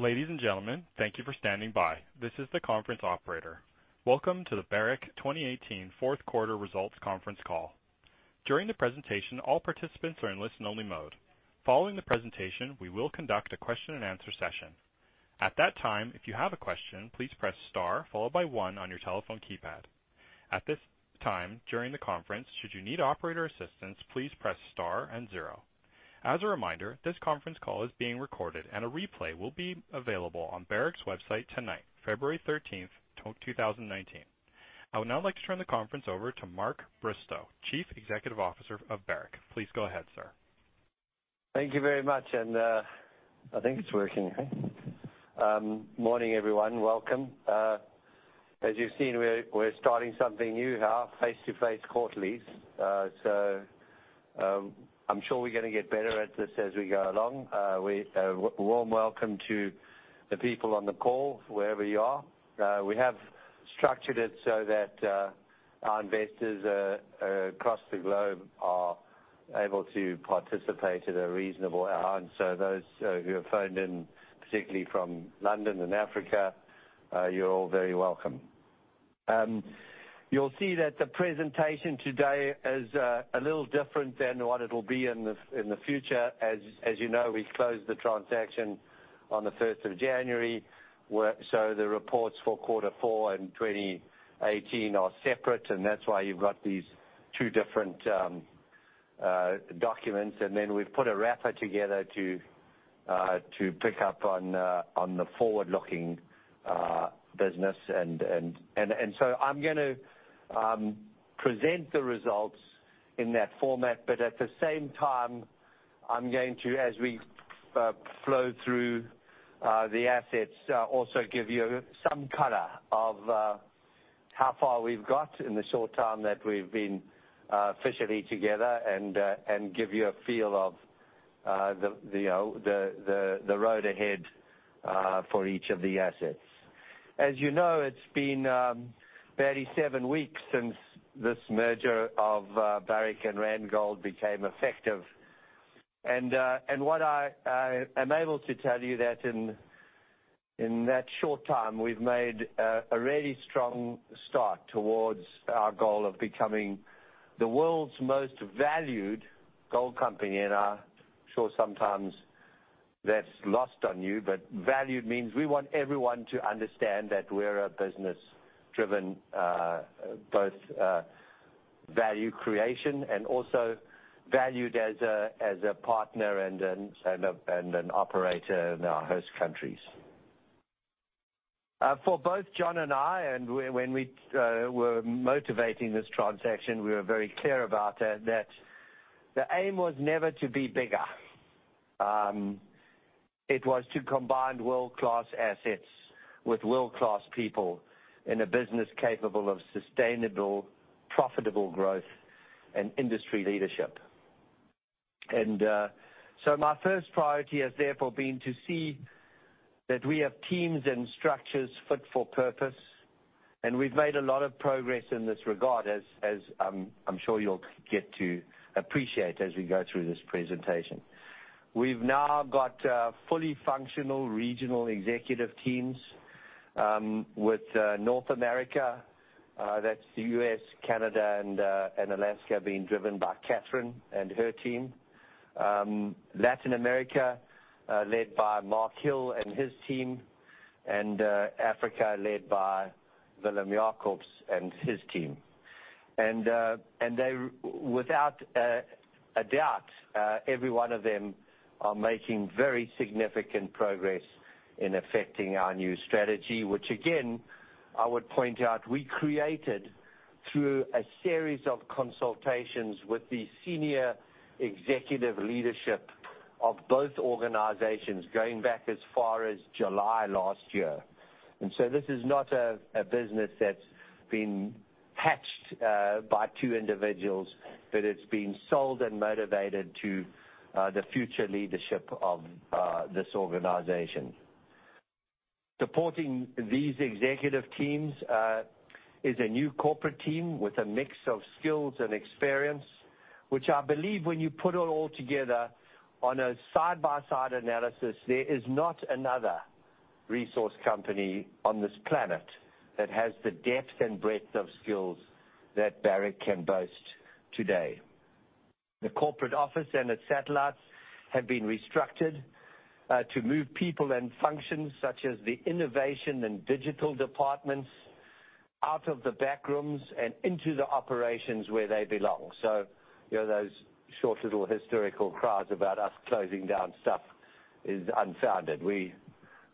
Ladies and gentlemen, thank you for standing by. This is the conference operator. Welcome to the Barrick 2018 fourth quarter results conference call. During the presentation, all participants are in listen-only mode. Following the presentation, we will conduct a question and answer session. At that time, if you have a question, please press star followed by one on your telephone keypad. At this time, during the conference, should you need operator assistance, please press star and zero. As a reminder, this conference call is being recorded, and a replay will be available on Barrick's website tonight, February 13, 2019. I would now like to turn the conference over to Mark Bristow, Chief Executive Officer of Barrick. Please go ahead, sir. Thank you very much. I think it's working. Morning, everyone. Welcome. As you've seen, we're starting something new now, face-to-face quarterlies. I'm sure we're going to get better at this as we go along. A warm welcome to the people on the call, wherever you are. We have structured it so that our investors across the globe are able to participate at a reasonable hour. Those who have phoned in, particularly from London and Africa, you're all very welcome. You'll see that the presentation today is a little different than what it'll be in the future. As you know, we closed the transaction on the 1st of January. The reports for quarter four and 2018 are separate. That's why you've got these two different documents. Then we've put a wrapper together to pick up on the forward-looking business. I'm going to present the results in that format, but at the same time, I'm going to, as we flow through the assets, also give you some color of how far we've got in the short time that we've been officially together and give you a feel of the road ahead for each of the assets. As you know, it's been barely seven weeks since this merger of Barrick and Randgold became effective. What I am able to tell you that in that short time, we've made a really strong start towards our goal of becoming the world's most valued gold company. I'm sure sometimes that's lost on you, but valued means we want everyone to understand that we're a business driven both value creation and also valued as a partner and an operator in our host countries. For both John and I, when we were motivating this transaction, we were very clear about that the aim was never to be bigger. It was to combine world-class assets with world-class people in a business capable of sustainable, profitable growth and industry leadership. My first priority has therefore been to see that we have teams and structures fit for purpose. We've made a lot of progress in this regard, as I'm sure you'll get to appreciate as we go through this presentation. We've now got fully functional regional executive teams with North America, that's the U.S., Canada, and Alaska, being driven by Catherine and her team. Latin America, led by Mark Hill and his team, and Africa led by Willem Jacobs and his team. Without a doubt, every one of them are making very significant progress in effecting our new strategy, which again, I would point out, we created through a series of consultations with the senior executive leadership of both organizations going back as far as July last year. This is not a business that's been hatched by two individuals, but it's been sold and motivated to the future leadership of this organization. Supporting these executive teams is a new corporate team with a mix of skills and experience, which I believe when you put it all together on a side-by-side analysis, there is not another resource company on this planet that has the depth and breadth of skills that Barrick can boast today. The corporate office and its satellites have been restructured to move people and functions such as the innovation and digital departments out of the back rooms and into the operations where they belong. Those short little historical cries about us closing down stuff is unfounded. We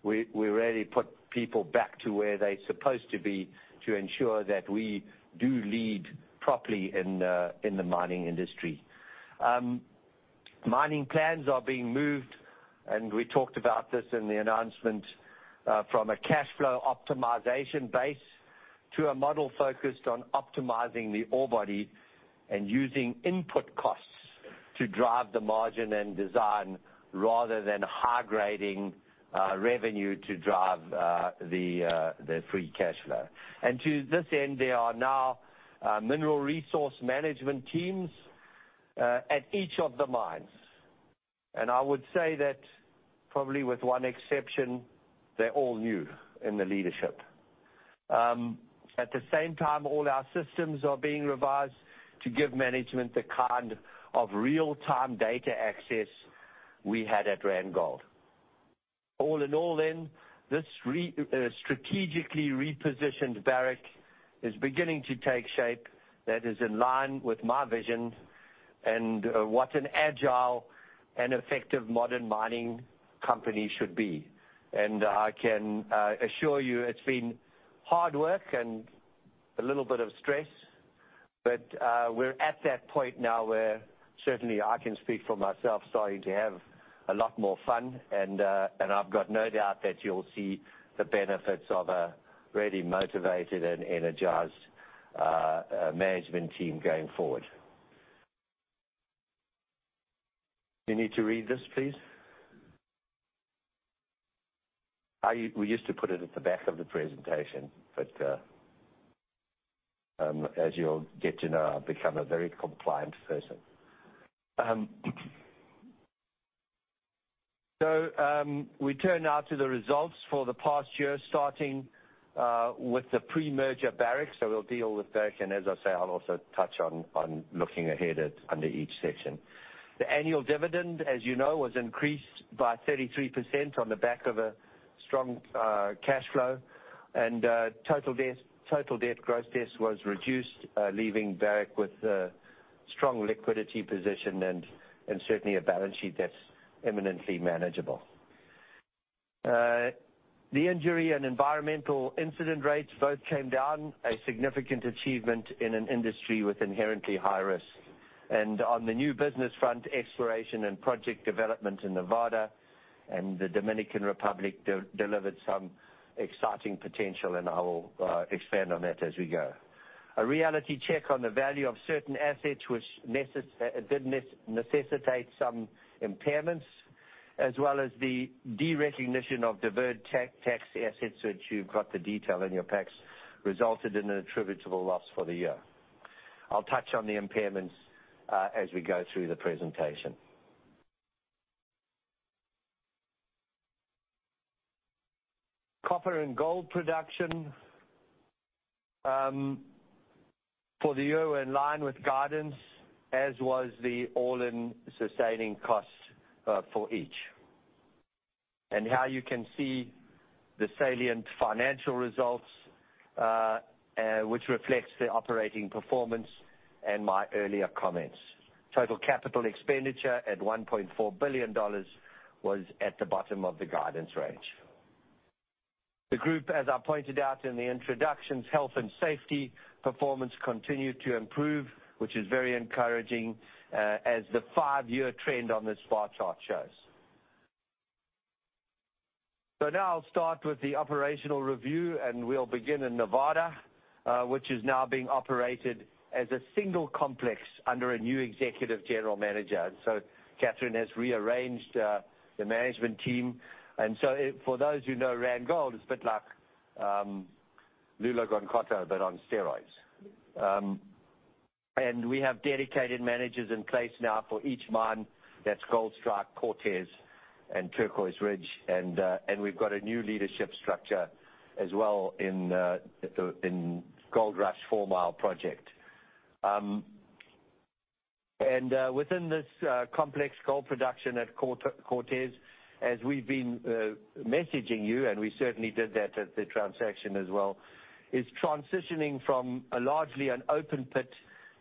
really put people back to where they're supposed to be to ensure that we do lead properly in the mining industry. Mining plans are being moved, and we talked about this in the announcement, from a cash flow optimization base to a model focused on optimizing the ore body and using input costs to drive the margin and design rather than high-grading revenue to drive the free cash flow. To this end, there are now mineral resource management teams at each of the mines. I would say that probably with one exception, they're all new in the leadership. At the same time, all our systems are being revised to give management the kind of real-time data access we had at Randgold. All in all, this strategically repositioned Barrick is beginning to take shape that is in line with my vision and what an agile and effective modern mining company should be. I can assure you it's been hard work and a little bit of stress, but we're at that point now where certainly I can speak for myself, starting to have a lot more fun and I've got no doubt that you'll see the benefits of a really motivated and energized management team going forward. You need to read this, please? We used to put it at the back of the presentation, but as you'll get to know, I've become a very compliant person. We turn now to the results for the past year, starting with the pre-merger Barrick. We'll deal with that, and as I say, I'll also touch on looking ahead under each section. The annual dividend, as you know, was increased by 33% on the back of a strong cash flow and total debt, gross debt was reduced, leaving Barrick with a strong liquidity position and certainly a balance sheet that's imminently manageable. The injury and environmental incident rates both came down, a significant achievement in an industry with inherently high risk. On the new business front, exploration and project development in Nevada and the Dominican Republic delivered some exciting potential, and I will expand on that as we go. A reality check on the value of certain assets, which did necessitate some impairments, as well as the derecognition of deferred tax assets, which you've got the detail in your packs, resulted in an attributable loss for the year. I'll touch on the impairments as we go through the presentation. Copper and gold production for the year were in line with guidance, as was the all-in sustaining cost for each. Here you can see the salient financial results, which reflects the operating performance and my earlier comments. Total capital expenditure at $1.4 billion was at the bottom of the guidance range. The group, as I pointed out in the introductions, health and safety performance continued to improve, which is very encouraging, as the five-year trend on this bar chart shows. Now I'll start with the operational review, and we'll begin in Nevada, which is now being operated as a single complex under a new executive general manager. Catherine has rearranged the management team, and so for those who know Randgold, it's a bit like Loulo and Gounkoto but on steroids. We have dedicated managers in place now for each mine. That's Goldstrike, Cortez, and Turquoise Ridge, and we've got a new leadership structure as well in Gold Rush Fourmile Project. Within this complex gold production at Cortez, as we've been messaging you, and we certainly did that at the transaction as well, is transitioning from largely an open pit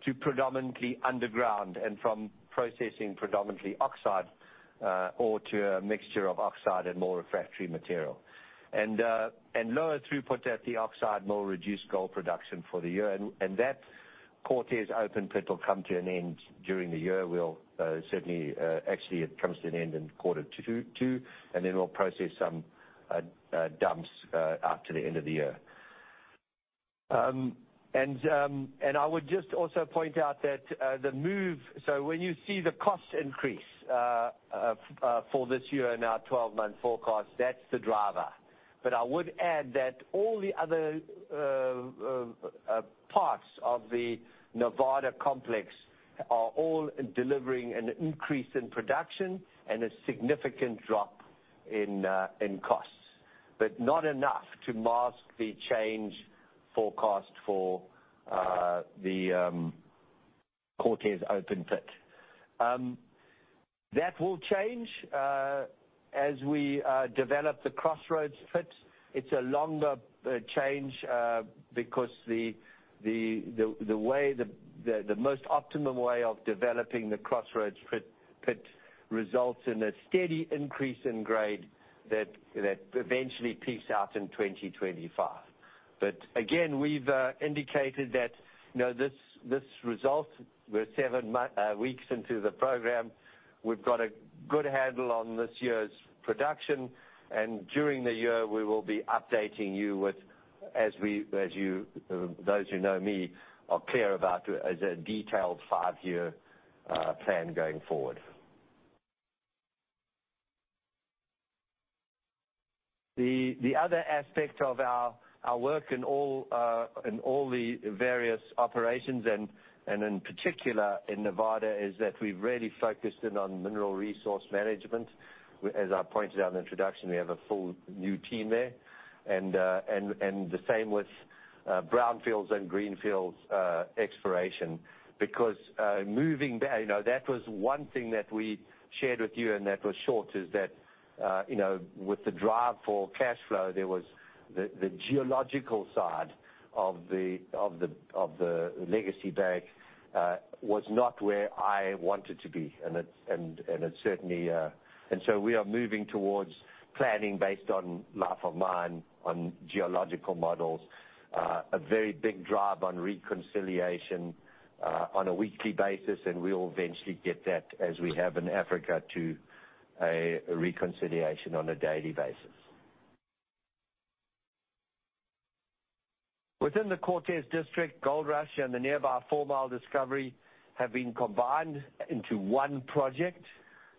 to predominantly underground, and from processing predominantly oxide ore to a mixture of oxide and more refractory material. Lower throughput at the oxide mill reduced gold production for the year. That Cortez open pit will come to an end during the year. Actually, it comes to an end in quarter two, and then we'll process some dumps after the end of the year. I would just also point out that when you see the cost increase for this year in our 12-month forecast, that's the driver. I would add that all the other parts of the Nevada complex are all delivering an increase in production and a significant drop in costs, but not enough to mask the change forecast for the Cortez open pit. That will change as we develop the Crossroads pit. It's a longer change because the most optimum way of developing the Crossroads pit results in a steady increase in grade that eventually peaks out in 2025. Again, we've indicated that this result, we're seven weeks into the program. We've got a good handle on this year's production, and during the year, we will be updating you with, as those who know me are clear about, as a detailed five-year plan going forward. The other aspect of our work in all the various operations, and in particular in Nevada, is that we've really focused in on mineral resource management. As I pointed out in the introduction, we have a full new team there. The same with brownfields and greenfields exploration, because moving back, that was one thing that we shared with you and that was short, is that with the drive for cash flow, there was the geological side of the legacy Barrick was not where I wanted to be. We are moving towards planning based on life of mine, on geological models, a very big drive on reconciliation on a weekly basis. We'll eventually get that as we have in Africa to a reconciliation on a daily basis. Within the Cortez District, Goldrush and the nearby Fourmile discovery have been combined into one project.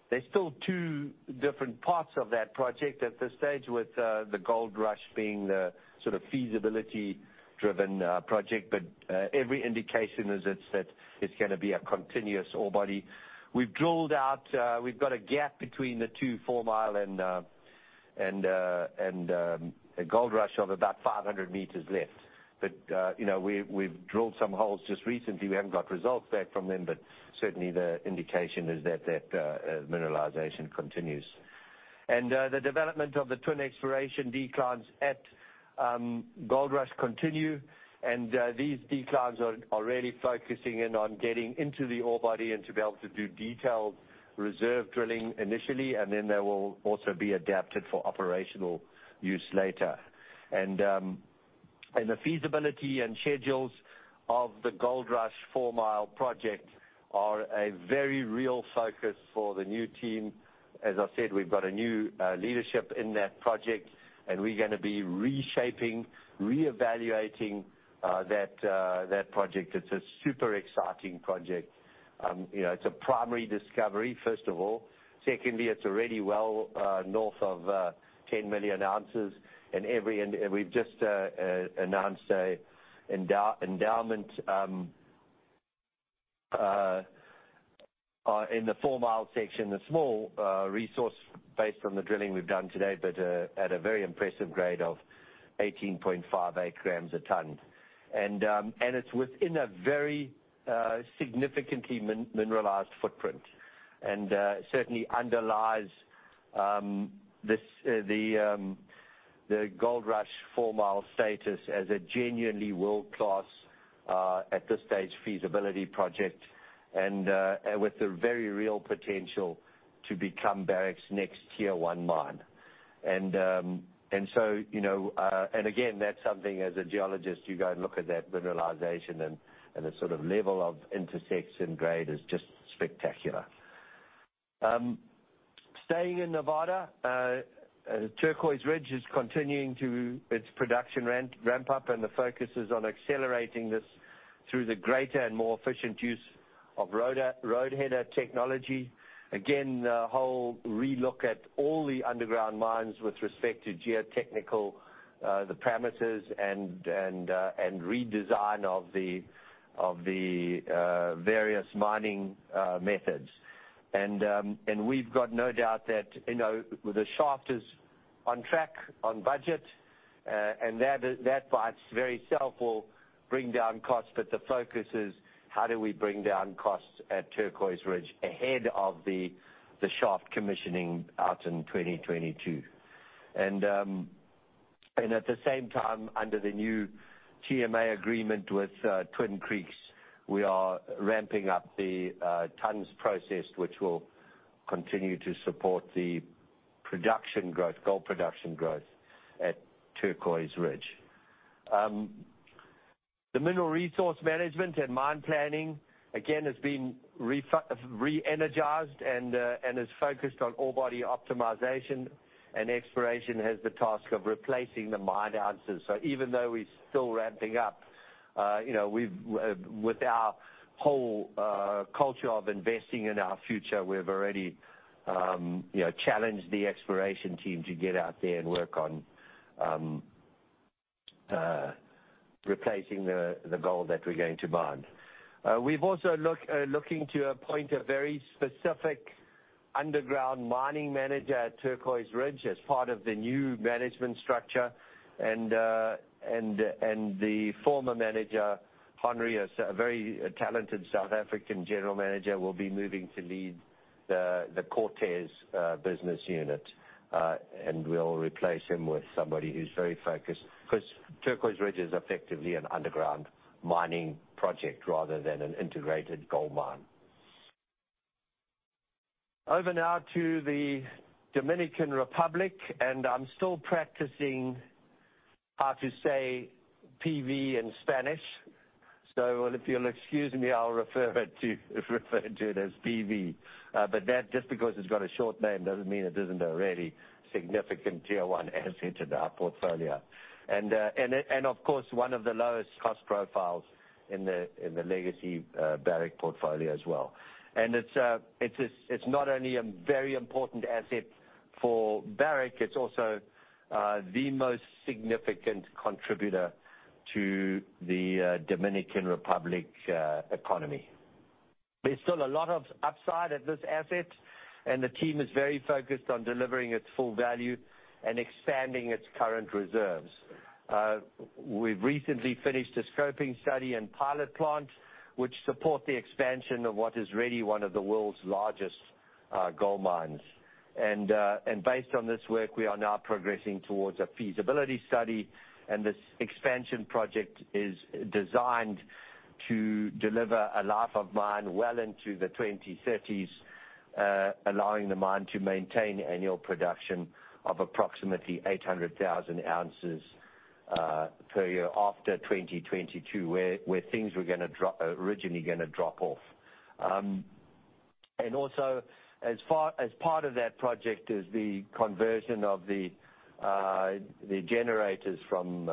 There are still two different parts of that project at this stage, with the Goldrush being the sort of feasibility-driven project. Every indication is it's going to be a continuous ore body. We've drilled out. We've got a gap between the two, Fourmile and Goldrush, of about 500m left. We've drilled some holes just recently. We haven't got results back from them, but certainly the indication is that that mineralization continues. The development of the twin exploration declines at Goldrush continue, and these declines are really focusing in on getting into the ore body and to be able to do detailed reserve drilling initially, and then they will also be adapted for operational use later. The feasibility and schedules of the Goldrush Fourmile Project are a very real focus for the new team. As I've said, we've got a new leadership in that project, and we're going to be reshaping, re-evaluating that project. It's a super exciting project. It's a primary discovery, first of all. Secondly, it's already well north of 10 million ounces. We've just announced an endowment in the Fourmile section, a small resource based on the drilling we've done to date, but at a very impressive grade of 18.58 grams a ton. It's within a very significantly mineralized footprint, and certainly underlies the Goldrush Fourmile status as a genuinely world-class, at this stage, feasibility project, and with the very real potential to become Barrick's next tier-1 mine. Again, that's something as a geologist, you go and look at that mineralization and the sort of level of intersects and grade is just spectacular. Staying in Nevada, Turquoise Ridge is continuing its production ramp up, and the focus is on accelerating this through the greater and more efficient use of roadheader technology. Again, a whole re-look at all the underground mines with respect to geotechnical, the parameters, and redesign of the various mining methods. We've got no doubt that the shaft is on track, on budget, and that by its very self will bring down costs, but the focus is how do we bring down costs at Turquoise Ridge ahead of the shaft commissioning out in 2022. At the same time, under the new TMA agreement with Twin Creeks, we are ramping up the tonnes processed, which will continue to support the gold production growth at Turquoise Ridge. The mineral resource management and mine planning, again, has been re-energized and is focused on ore body optimization, and exploration has the task of replacing the mined ounces. Even though we're still ramping up, with our whole culture of investing in our future, we've already challenged the exploration team to get out there and work on replacing the gold that we're going to mine. We're also looking to appoint a very specific underground mining manager at Turquoise Ridge as part of the new management structure, the former manager, Henry, a very talented South African general manager, will be moving to lead the Cortez business unit. We'll replace him with somebody who's very focused, because Turquoise Ridge is effectively an underground mining project rather than an integrated gold mine. Over now to the Dominican Republic, I'm still practicing how to say PV in Spanish, so if you'll excuse me, I'll refer to it as PV. That, just because it's got a short name, doesn't mean it isn't a really significant tier 1 asset in our portfolio. Of course, one of the lowest cost profiles in the legacy Barrick portfolio as well. It's not only a very important asset for Barrick, it's also the most significant contributor to the Dominican Republic economy. There's still a lot of upside at this asset, the team is very focused on delivering its full value and expanding its current reserves. We've recently finished a scoping study and pilot plant, which support the expansion of what is really one of the world's largest gold mines. Based on this work, we are now progressing towards a feasibility study, this expansion project is designed to deliver a life of mine well into the 2030s, allowing the mine to maintain annual production of approximately 800,000 ounces per year after 2022, where things were originally going to drop off. Also as part of that project is the conversion of the generators from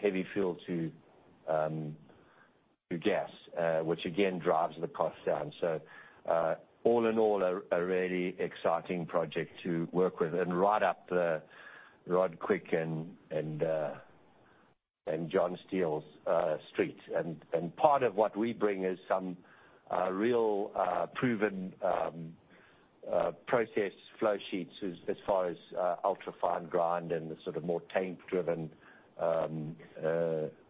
heavy fuel to gas, which again, drives the cost down. All in all, a really exciting project to work with and right up Rod Quick and John Steele's street. Part of what we bring is some real proven process flow sheets as far as ultra-fine grind and the more tank-driven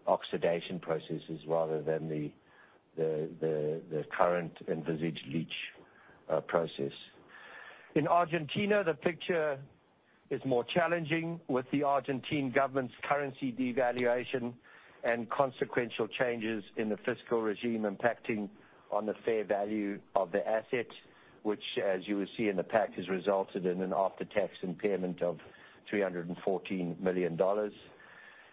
oxidation processes rather than the current envisaged leach process. In Argentina, the picture is more challenging with the Argentine government's currency devaluation and consequential changes in the fiscal regime impacting on the fair value of the asset, which as you will see in the pack, has resulted in an after-tax impairment of $314 million.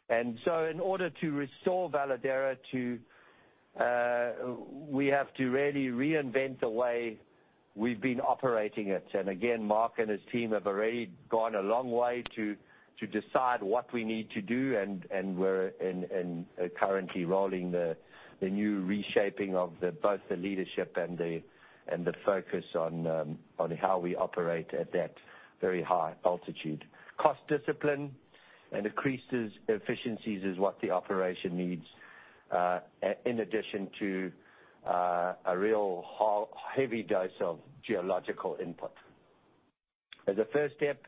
In order to restore Veladero, we have to really reinvent the way we've been operating it. Again, Mark and his team have already gone a long way to decide what we need to do, we're currently rolling the new reshaping of both the leadership and the focus on how we operate at that very high altitude. Cost discipline and increased efficiencies is what the operation needs, in addition to a real heavy dose of geological input. As a first step,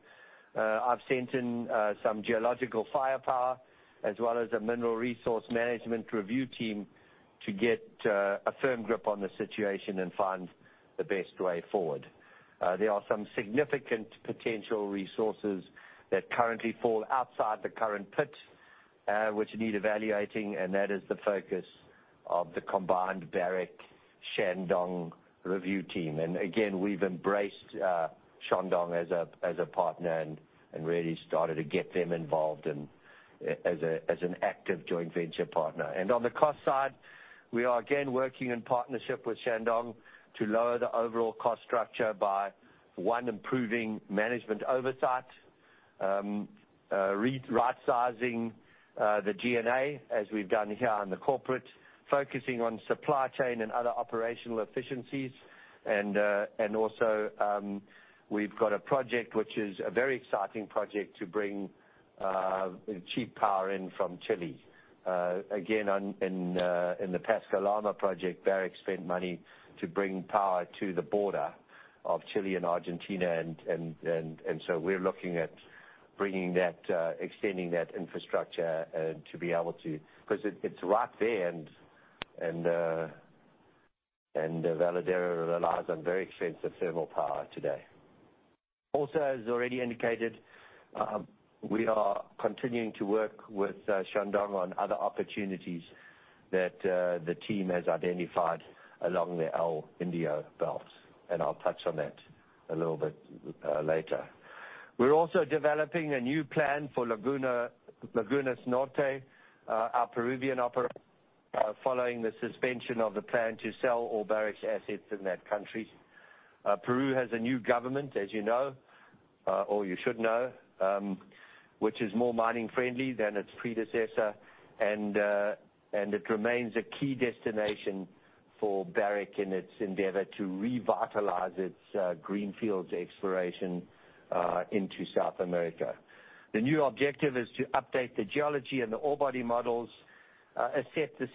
I've sent in some geological firepower as well as a mineral resource management review team to get a firm grip on the situation and find the best way forward. There are some significant potential resources that currently fall outside the current pit, which need evaluating, that is the focus of the combined Barrick Shandong review team. Again, we've embraced Shandong as a partner and really started to get them involved as an active joint venture partner. On the cost side, we are again working in partnership with Shandong to lower the overall cost structure by one, improving management oversight, right-sizing the G&A as we've done here on the corporate, focusing on supply chain and other operational efficiencies. We've got a project which is a very exciting project to bring cheap power in from Chile. In the Pascua Lama project, Barrick spent money to bring power to the border of Chile and Argentina. We're looking at extending that infrastructure to be able to because it's right there, and Veladero relies on very expensive thermal power today. As already indicated, we are continuing to work with Shandong on other opportunities that the team has identified along the El Indio belts. I'll touch on that a little bit later. We're also developing a new plan for Lagunas Norte, our Peruvian operation, following the suspension of the plan to sell all Barrick's assets in that country. Peru has a new government, as you know, or you should know, which is more mining friendly than its predecessor. It remains a key destination for Barrick in its endeavor to revitalize its greenfields exploration into South America. The new objective is to update the geology and the ore body models, assess the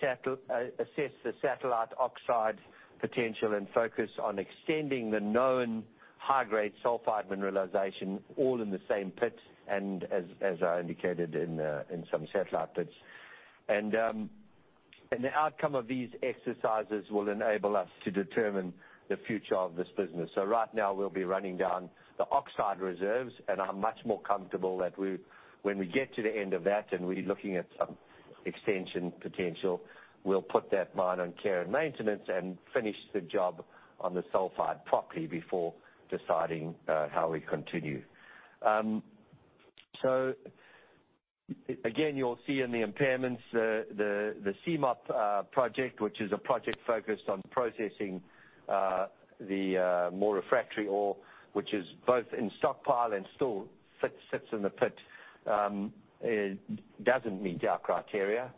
satellite oxide potential, and focus on extending the known high-grade sulfide mineralization all in the same pit, and as I indicated, in some satellite pits. The outcome of these exercises will enable us to determine the future of this business. Right now, we'll be running down the oxide reserves. I'm much more comfortable that when we get to the end of that, and we're looking at some extension potential, we'll put that mine on care and maintenance and finish the job on the sulfide properly before deciding how we continue. Again, you'll see in the impairments the CMOP project, which is a project focused on processing the more refractory ore, which is both in stockpile and still sits in the pit. It doesn't meet our criteria.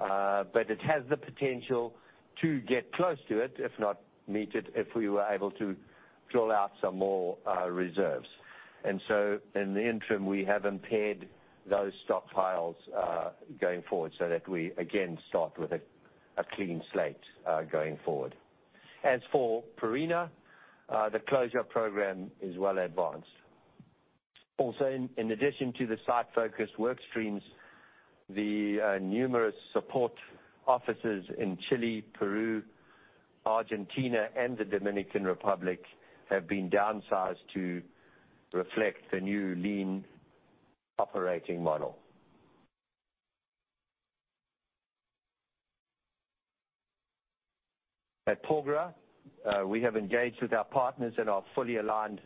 It has the potential to get close to it, if not meet it, if we were able to drill out some more reserves. In the interim, we have impaired those stockpiles going forward so that we again start with a clean slate going forward. As for Pierina, the closure program is well advanced. In addition to the site-focused work streams, the numerous support offices in Chile, Peru, Argentina, and the Dominican Republic have been downsized to reflect the new lean operating model. At Porgera, we have engaged with our partners and are fully aligned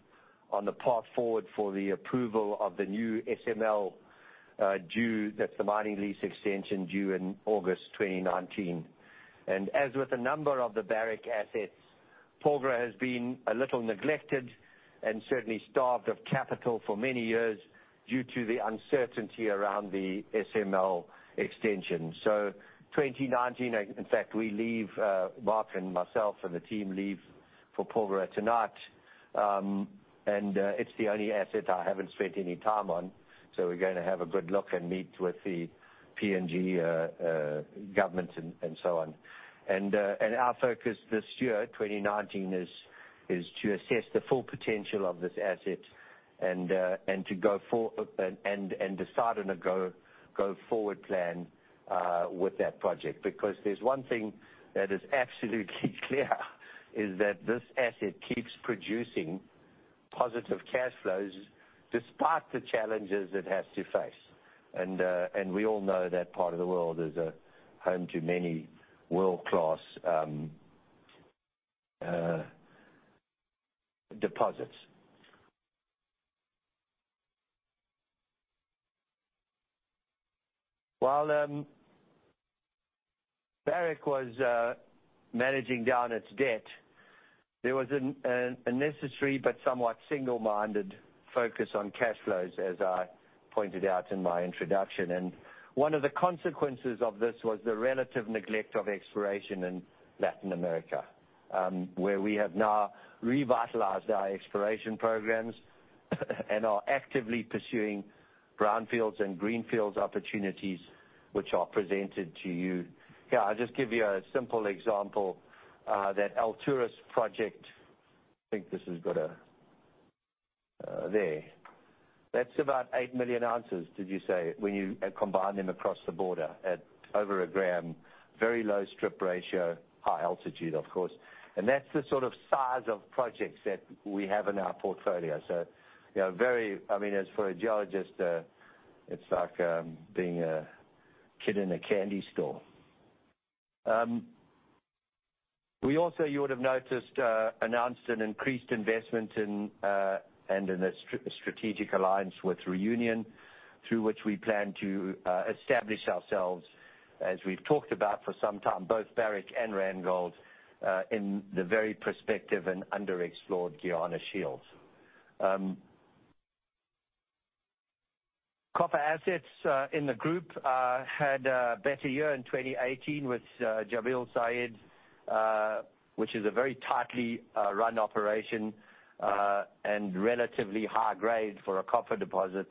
on the path forward for the approval of the new SML, that's the mining lease extension due in August 2019. As with a number of the Barrick assets, Porgera has been a little neglected and certainly starved of capital for many years due to the uncertainty around the SML extension. 2019, in fact, Mark and myself and the team leave for Porgera tonight. It's the only asset I haven't spent any time on, so we're going to have a good look and meet with the PNG government and so on. Our focus this year, 2019, is to assess the full potential of this asset and decide on a go-forward plan with that project. There's one thing that is absolutely clear, is that this asset keeps producing positive cash flows despite the challenges it has to face. We all know that part of the world is home to many world-class deposits. While Barrick was managing down its debt, there was a necessary but somewhat single-minded focus on cash flows, as I pointed out in my introduction. One of the consequences of this was the relative neglect of exploration in Latin America, where we have now revitalized our exploration programs and are actively pursuing brownfields and greenfields opportunities which are presented to you. Here, I'll just give you a simple example, that Alturas project. I think this has got a There. That's about 8 million ounces, did you say, when you combine them across the border at over a gram, very low strip ratio, high altitude, of course. That's the sort of size of projects that we have in our portfolio. For a geologist, it's like being a kid in a candy store. We also, you would've noticed, announced an increased investment and a strategic alliance with Reunion through which we plan to establish ourselves, as we've talked about for some time, both Barrick and Randgold, in the very prospective and underexplored Guiana Shield. Copper assets in the group had a better year in 2018 with Jabal Sayid, which is a very tightly run operation and relatively high grade for a copper deposit,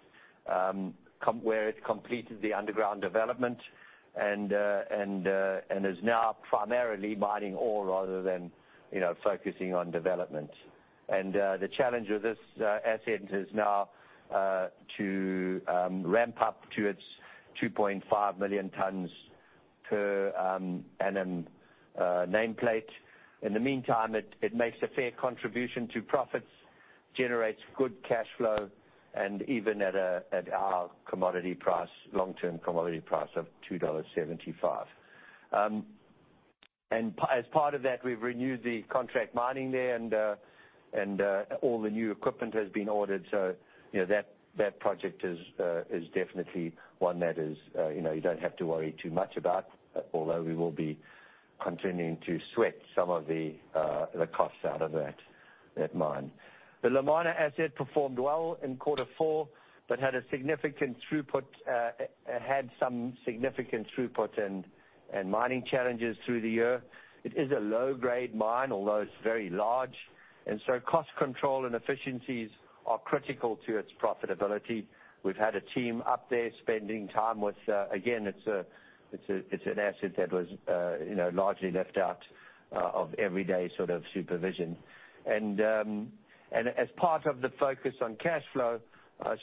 where it completed the underground development and is now primarily mining ore rather than focusing on development. The challenge with this asset is now to ramp up to its 2.5 million tons per annum nameplate. In the meantime, it makes a fair contribution to profits, generates good cash flow, even at our long-term commodity price of $2.75. As part of that, we've renewed the contract mining there and all the new equipment has been ordered, that project is definitely one that you don't have to worry too much about, although we will be continuing to sweat some of the costs out of that mine. The Lumwana asset performed well in quarter four, had some significant throughput and mining challenges through the year. It is a low-grade mine, although it's very large, cost control and efficiencies are critical to its profitability. We've had a team up there spending time. Again, it's an asset that was largely left out of everyday supervision. As part of the focus on cash flow,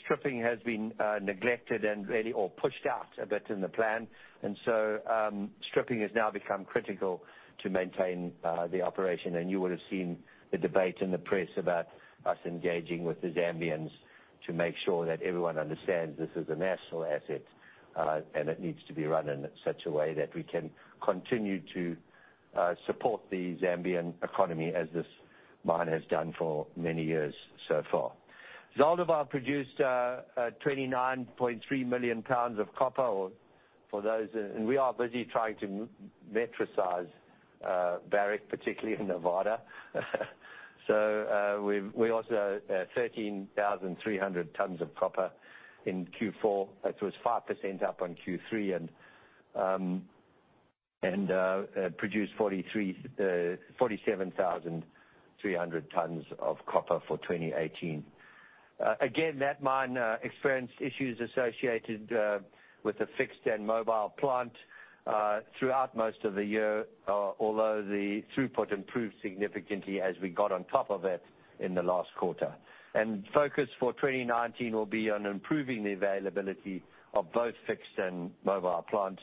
stripping has been neglected or pushed out a bit in the plan, stripping has now become critical to maintain the operation. You would've seen the debate in the press about us engaging with the Zambians to make sure that everyone understands this is a national asset, and it needs to be run in such a way that we can continue to support the Zambian economy as this mine has done for many years so far. Zaldivar produced 29.3 million pounds of copper, we are busy trying to metricize Barrick, particularly in Nevada. We also had 13,300 tons of copper in Q4. That was 5% up on Q3, produced 47,300 tons of copper for 2018. That mine experienced issues associated with a fixed and mobile plant throughout most of the year, although the throughput improved significantly as we got on top of it in the last quarter. Focus for 2019 will be on improving the availability of both fixed and mobile plants,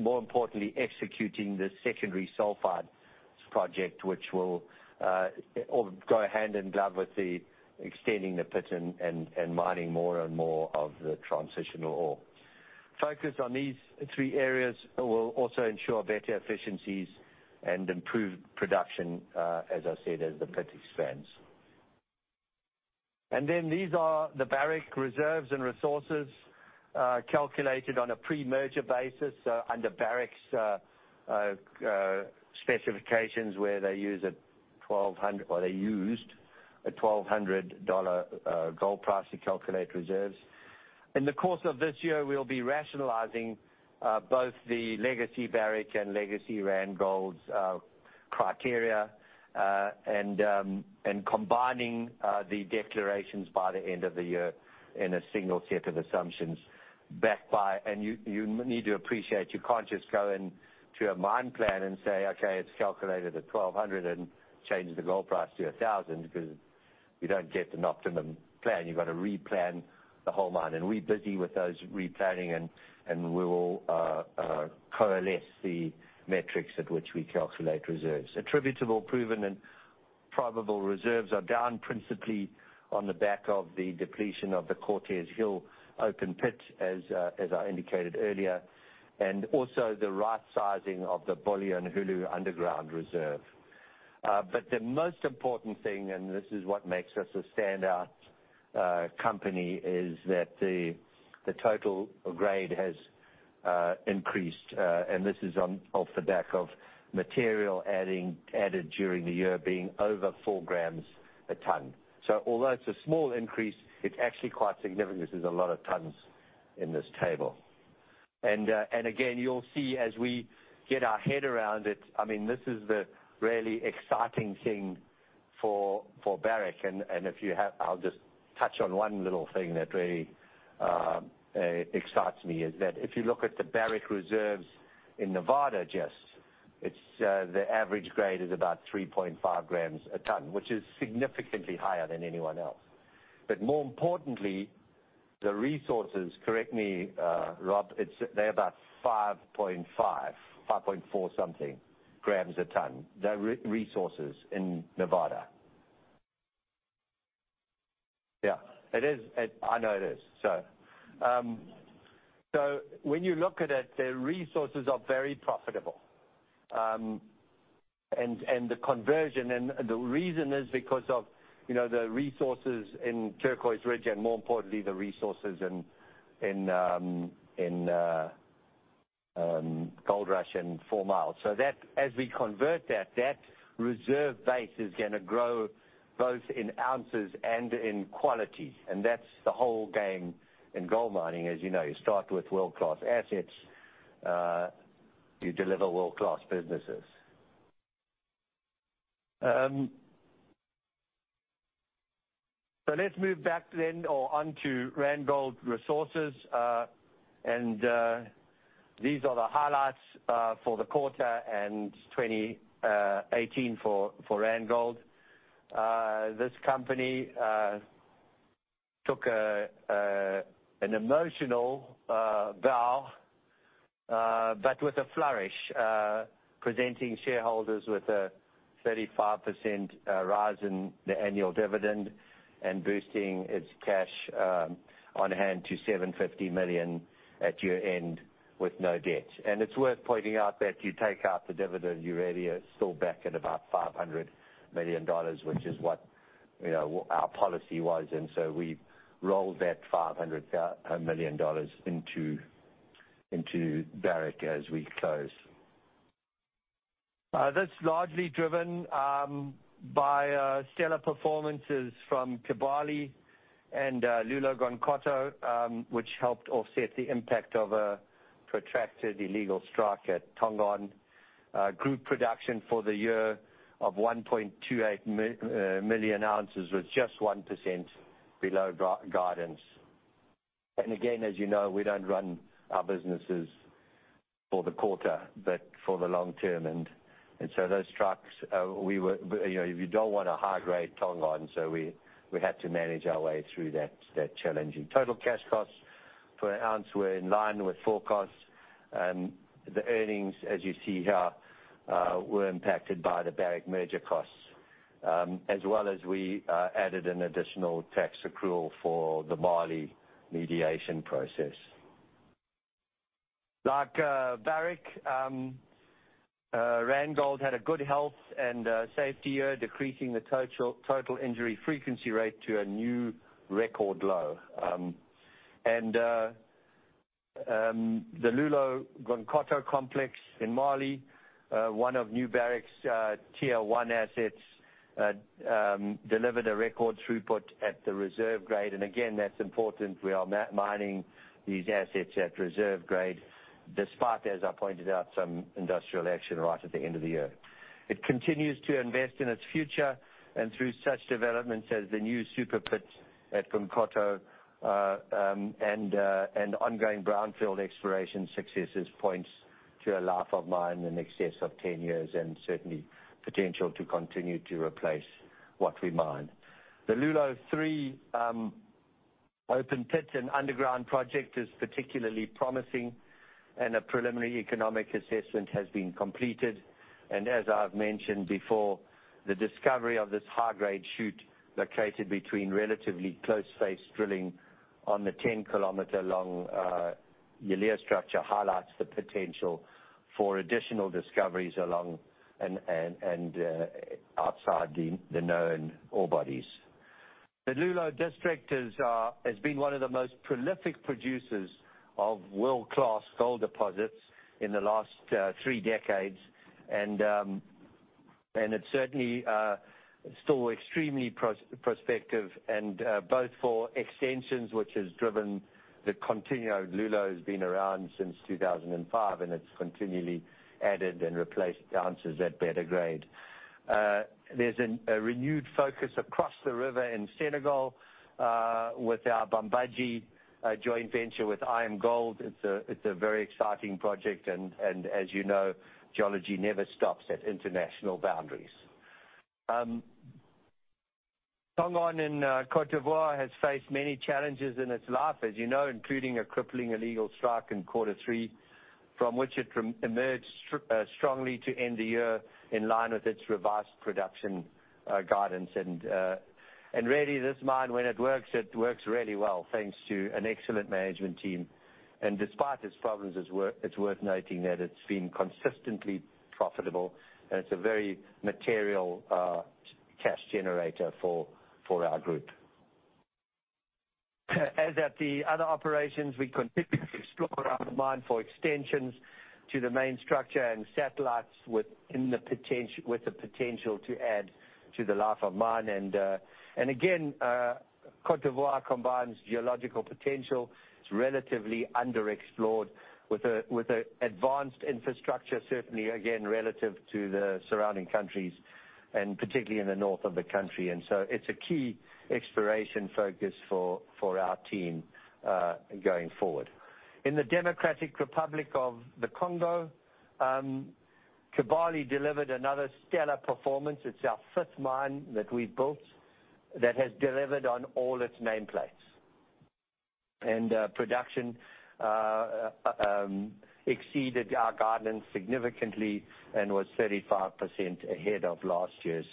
more importantly, executing the secondary sulfide project, which will all go hand in glove with the extending the pit and mining more and more of the transitional ore. Focus on these three areas will also ensure better efficiencies and improved production, as I said, as the pit expands. These are the Barrick reserves and resources, calculated on a pre-merger basis, so under Barrick's specifications, where they use, or they used a $1,200 gold price to calculate reserves. In the course of this year, we'll be rationalizing both the legacy Barrick and legacy Randgold's criteria, combining the declarations by the end of the year in a single set of assumptions. You need to appreciate, you can't just go into a mine plan and say, okay, it's calculated at $1,200 and change the gold price to $1,000 because you don't get an optimum plan. You've got to replan the whole mine. We're busy with those replanning and we will coalesce the metrics at which we calculate reserves. Attributable proven and probable reserves are down principally on the back of the depletion of the Cortez Hill open pit, as I indicated earlier, and also the right sizing of the Bulyanhulu underground reserve. The most important thing, and this is what makes us a standout company, is that the total grade has increased. This is off the back of material added during the year being over four grams a ton. Although it's a small increase, it's actually quite significant because there's a lot of tons in this table. Again, you'll see as we get our head around it, this is the really exciting thing for Barrick. I'll just touch on one little thing that really excites me, is that if you look at the Barrick reserves in Nevada, Jess, the average grade is about 3.5 g a ton, which is significantly higher than anyone else. More importantly, the resources, correct me, Rob, they're about 5.5.4-something grams a ton. The resources in Nevada. Yeah. I know it is. When you look at it, the resources are very profitable. The conversion and the reason is because of the resources in Turquoise Ridge and more importantly, the resources in Gold Rush and Fourmile. As we convert that reserve base is going to grow both in ounces and in quality. That's the whole game in gold mining, as you know. You start with world-class assets, you deliver world-class businesses. Let's move back then or on to Randgold Resources. These are the highlights for the quarter and 2018 for Randgold. This company took an emotional bow, but with a flourish, presenting shareholders with a 35% rise in the annual dividend and boosting its cash on hand to $750 million at year-end with no debt. It's worth pointing out that you take out the dividend, you're really still back at about $500 million, which is what our policy was. We rolled that $500 million into Barrick as we close. That's largely driven by stellar performances from Kibali and Loulo-Gounkoto, which helped offset the impact of a protracted illegal strike at Tongon. Group production for the year of 1.28 million ounces was just 1% below guidance. Again, as you know, we don't run our businesses for the quarter, but for the long term. So those strikes, you don't want a high grade Tongon, so we had to manage our way through that challenge. Total cash costs per ounce were in line with forecasts. The earnings, as you see here, were impacted by the Barrick merger costs, as well as we added an additional tax accrual for the Mali mediation process. Like Barrick, Randgold had a good health and safety year, decreasing the total injury frequency rate to a new record low. The Loulo-Gounkoto complex in Mali, one of New Barrick's tier 1 assets, delivered a record throughput at the reserve grade. Again, that's important. We are mining these assets at reserve grade, despite, as I pointed out, some industrial action right at the end of the year. It continues to invest in its future and through such developments as the new super pit at Gounkoto, and ongoing brownfield exploration successes points to a life of mine in excess of 10 years, and certainly potential to continue to replace what we mine. The Loulou-3 open pit and underground project is particularly promising and a preliminary economic assessment has been completed. As I've mentioned before, the discovery of this high-grade shoot located between relatively close face drilling on the 10 km long Yalea structure highlights the potential for additional discoveries along and outside the known ore bodies. The Loulo district has been one of the most prolific producers of world-class gold deposits in the last three decades, and it's certainly still extremely prospective both for extensions which has driven the Loulo has been around since 2005, and it's continually added and replaced ounces at better grade. There's a renewed focus across the river in Senegal, with our Bambadji joint venture with IAMGOLD. It's a very exciting project and as you know, geology never stops at international boundaries. Tongon in Côte d'Ivoire has faced many challenges in its life, as you know, including a crippling illegal strike in quarter three, from which it emerged strongly to end the year in line with its revised production guidance. Really this mine when it works, it works really well, thanks to an excellent management team. Despite its problems, it's worth noting that it's been consistently profitable and it's a very material cash generator for our group. As at the other operations, we continue to explore our mine for extensions to the main structure and satellites with the potential to add to the life of mine. Again, Côte d'Ivoire combines geological potential. It's relatively underexplored with a advanced infrastructure, certainly again relative to the surrounding countries and particularly in the north of the country. So it's a key exploration focus for our team, going forward. In the Democratic Republic of the Congo, Kibali delivered another stellar performance. It's our fifth mine that we've built that has delivered on all its nameplates. Production exceeded our guidance significantly and was 35% ahead of last year's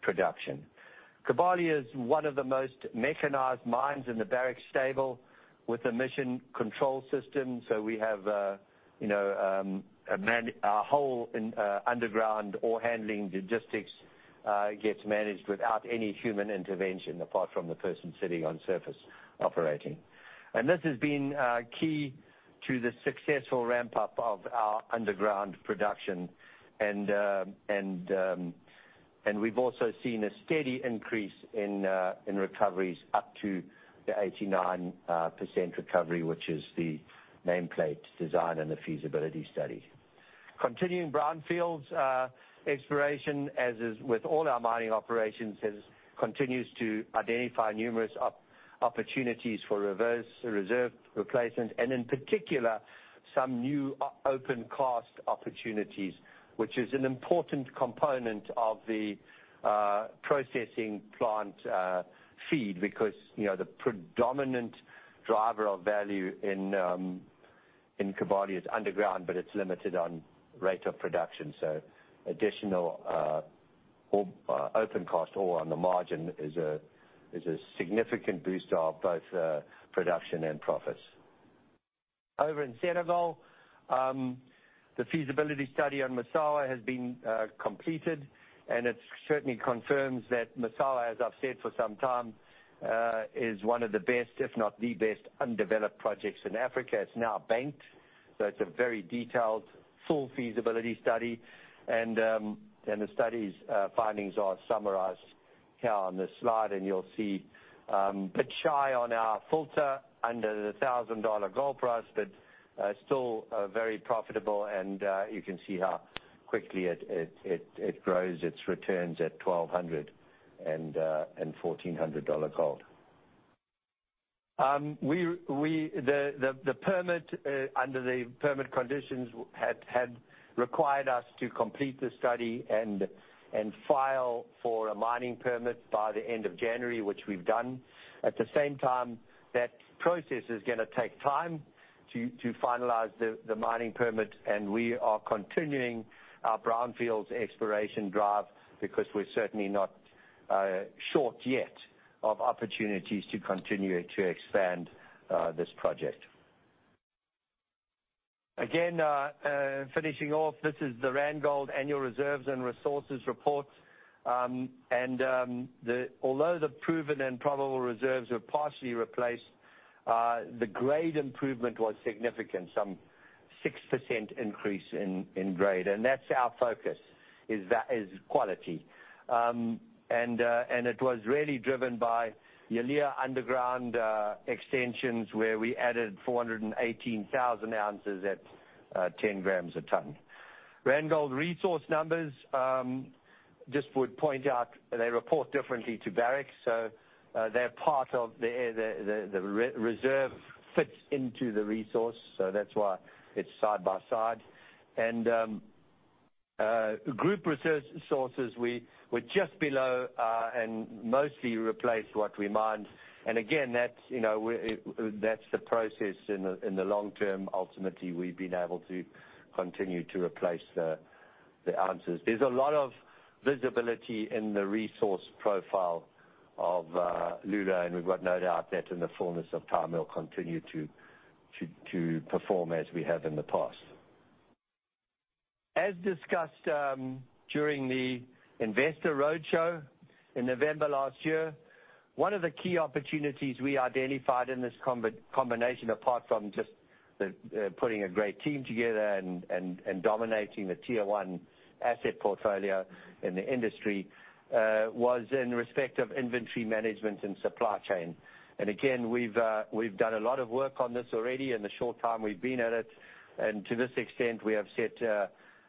production. Kibali is one of the most mechanized mines in the Barrick stable with a mission control system. We have our whole underground ore handling logistics gets managed without any human intervention apart from the person sitting on surface operating. This has been key to the successful ramp-up of our underground production. We've also seen a steady increase in recoveries up to the 89% recovery, which is the nameplate design and the feasibility study. Continuing brownfields exploration, as is with all our mining operations, continues to identify numerous opportunities for reserve replacement and in particular, some new open cast opportunities, which is an important component of the processing plant feed because the predominant driver of value in Kibali is underground, but it's limited on rate of production. Additional open cast ore on the margin is a significant boost of both production and profits. Over in Senegal, the feasibility study on Massawa has been completed. It certainly confirms that Massawa, as I've said for some time, is one of the best, if not the best undeveloped projects in Africa. It's now banked, it's a very detailed full feasibility study. The study's findings are summarized here on this slide. You'll see a bit shy on our filter under the $1,000 gold price, but still very profitable. You can see how quickly it grows its returns at $1,200 and $1,400 gold. The permit under the permit conditions had required us to complete the study and file for a mining permit by the end of January, which we've done. At the same time, that process is going to take time to finalize the mining permit. We are continuing our brownfields exploration drive because we're certainly not short yet of opportunities to continue to expand this project. Finishing off, this is the Randgold Annual Reserves and Resources report. Although the proven and probable reserves were partially replaced, the grade improvement was significant, some 6% increase in grade. That's our focus, is quality. It was really driven by Yalea underground extensions, where we added 418,000 ounces at 10 g a ton. Randgold resource numbers, just would point out they report differently to Barrick. They're part of the reserve fits into the resource, that's why it's side by side. Group research sources, we're just below and mostly replaced what we mined. Again, that's the process in the long term. Ultimately, we've been able to continue to replace the ounces. There's a lot of visibility in the resource profile of Loulo. We've got no doubt that in the fullness of time it will continue to perform as we have in the past. As discussed during the Investor Roadshow in November last year, one of the key opportunities we identified in this combination, apart from just the putting a great team together and dominating the tier 1 asset portfolio in the industry, was in respect of inventory management and supply chain. Again, we've done a lot of work on this already in the short time we've been at it. To this extent,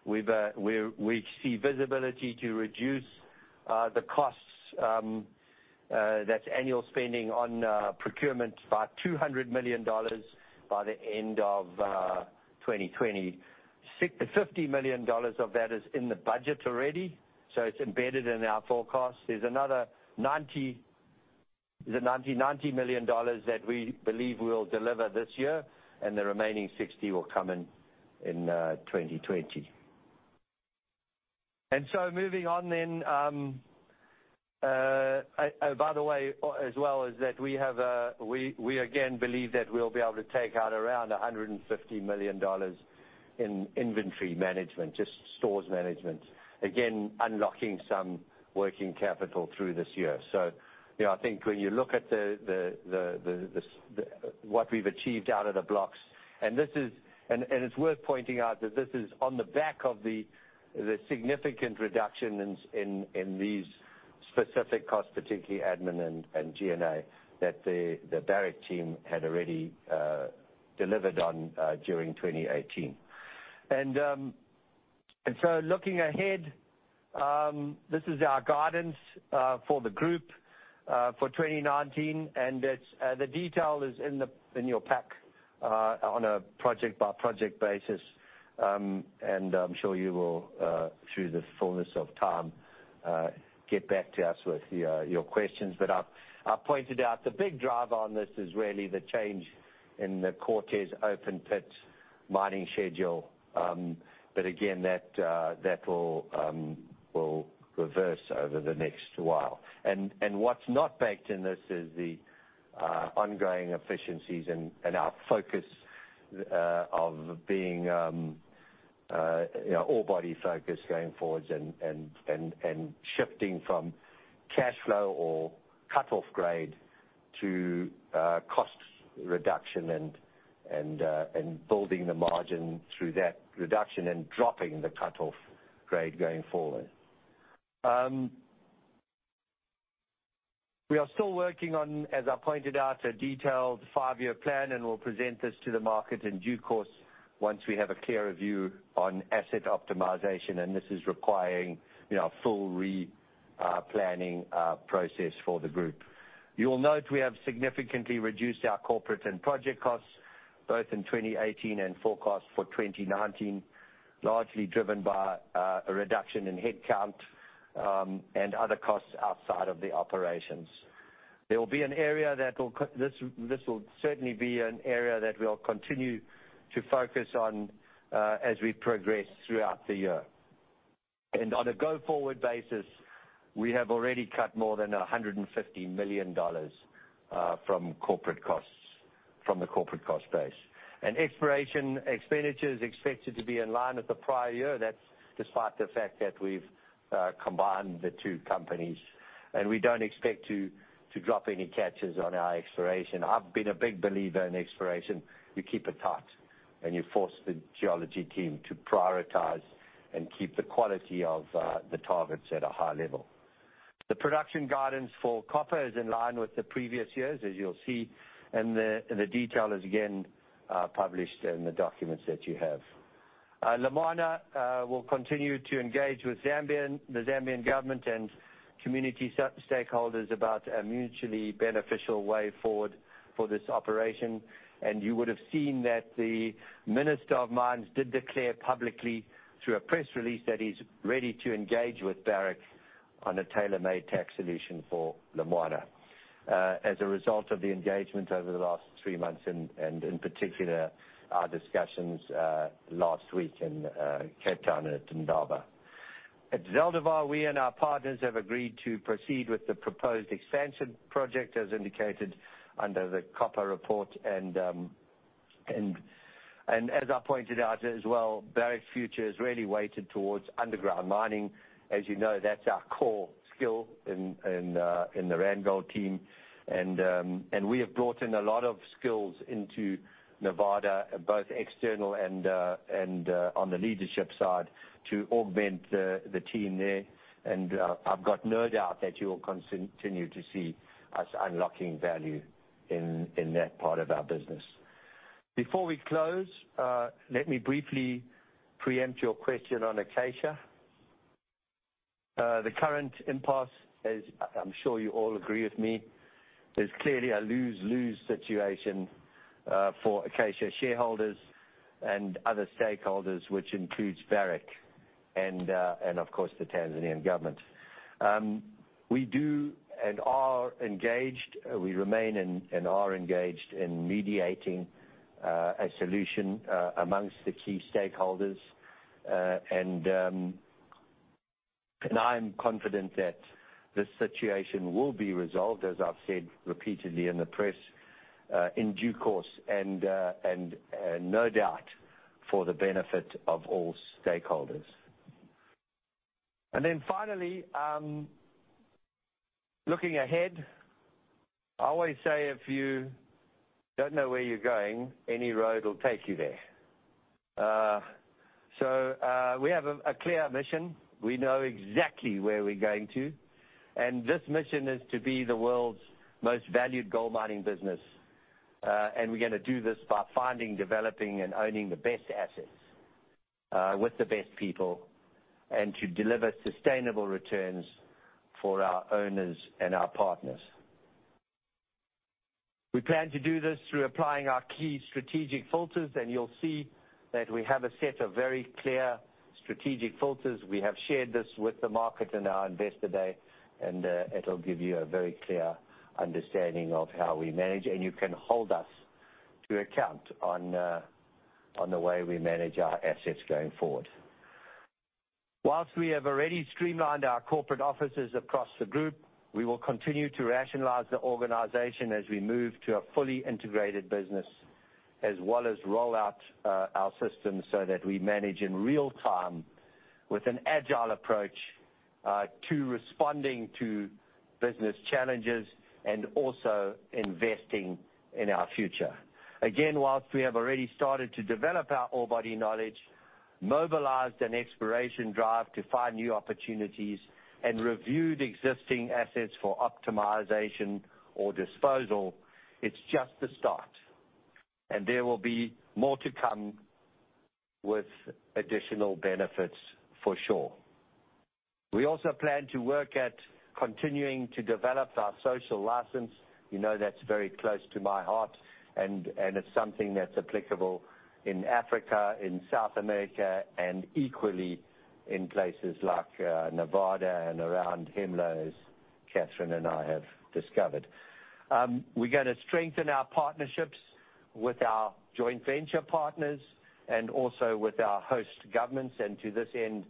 we see visibility to reduce the costs, that's annual spending on procurement by $200 million by the end of 2020. $50 million of that is in the budget already, it's embedded in our forecast. There's another $90 million that we believe we'll deliver this year, the remaining $60 million will come in in 2020. By the way, as well as that, we again believe that we'll be able to take out around $150 million in inventory management, just stores management, again, unlocking some working capital through this year. I think when you look at what we've achieved out of the blocks, it's worth pointing out that this is on the back of the significant reduction in these specific costs, particularly admin and G&A, that the Barrick team had already delivered on during 2018. Looking ahead, this is our guidance for the group for 2019, and the detail is in your pack on a project-by-project basis. I'm sure you will, through the fullness of time, get back to us with your questions. I pointed out the big drive on this is really the change in the Cortez open pit mining schedule. Again, that will reverse over the next while. What's not baked in this is the ongoing efficiencies and our focus of being ore body-focused going forwards and shifting from cash flow or cut-off grade to cost reduction and building the margin through that reduction and dropping the cut-off grade going forward. We are still working on, as I pointed out, a detailed five-year plan, we'll present this to the market in due course once we have a clearer view on asset optimization, and this is requiring a full re-planning process for the group. You will note we have significantly reduced our corporate and project costs both in 2018 and forecast for 2019, largely driven by a reduction in headcount and other costs outside of the operations. This will certainly be an area that we will continue to focus on as we progress throughout the year. On a go-forward basis, we have already cut more than $150 million from the corporate cost base. Exploration expenditure is expected to be in line with the prior year. That's despite the fact that we've combined the two companies, and we don't expect to drop any catches on our exploration. I've been a big believer in exploration. You keep it tight, and you force the geology team to prioritize and keep the quality of the targets at a high level. The production guidance for copper is in line with the previous years, as you'll see, and the detail is again published in the documents that you have. Lumwana will continue to engage with the Zambian government and community stakeholders about a mutually beneficial way forward for this operation. You would have seen that the Minister of Mines did declare publicly through a press release that he's ready to engage with Barrick on a tailor-made tax solution for Lumwana. As a result of the engagement over the last three months, and in particular, our discussions last week in Cape Town at Indaba. At Veladero, we and our partners have agreed to proceed with the proposed expansion project as indicated under the copper report. As I pointed out as well, Barrick Future is really weighted towards underground mining. As you know, that's our core skill in the Randgold team. We have brought in a lot of skills into Nevada, both external and on the leadership side to augment the team there. I've got no doubt that you will continue to see us unlocking value in that part of our business. Before we close, let me briefly preempt your question on Acacia. The current impasse, as I'm sure you all agree with me, is clearly a lose-lose situation for Acacia shareholders and other stakeholders, which includes Barrick and of course the Tanzanian government. We remain and are engaged in mediating a solution amongst the key stakeholders. I'm confident that this situation will be resolved, as I've said repeatedly in the press, in due course and no doubt for the benefit of all stakeholders. Finally, looking ahead, I always say if you don't know where you're going, any road will take you there. We have a clear mission. We know exactly where we're going to, and this mission is to be the world's most valued gold mining business. We're going to do this by finding, developing, and owning the best assets with the best people, and to deliver sustainable returns for our owners and our partners. We plan to do this through applying our key strategic filters. You'll see that we have a set of very clear strategic filters. We have shared this with the market in our investor day, and it'll give you a very clear understanding of how we manage. You can hold us to account on the way we manage our assets going forward. Lastly, we have already streamlined our corporate offices across the group, we will continue to rationalize the organization as we move to a fully integrated business, as well as roll out our systems so that we manage in real time with an agile approach to responding to business challenges and also investing in our future. Whilst we have already started to develop our ore body knowledge, mobilized an exploration drive to find new opportunities, and reviewed existing assets for optimization or disposal, it's just the start. There will be more to come with additional benefits for sure. We also plan to work at continuing to develop our social license. You know that's very close to my heart, and it's something that's applicable in Africa, in South America, and equally in places like Nevada and around Hemlo, as Catherine and I have discovered. We're going to strengthen our partnerships with our joint venture partners and also with our host governments. To this end,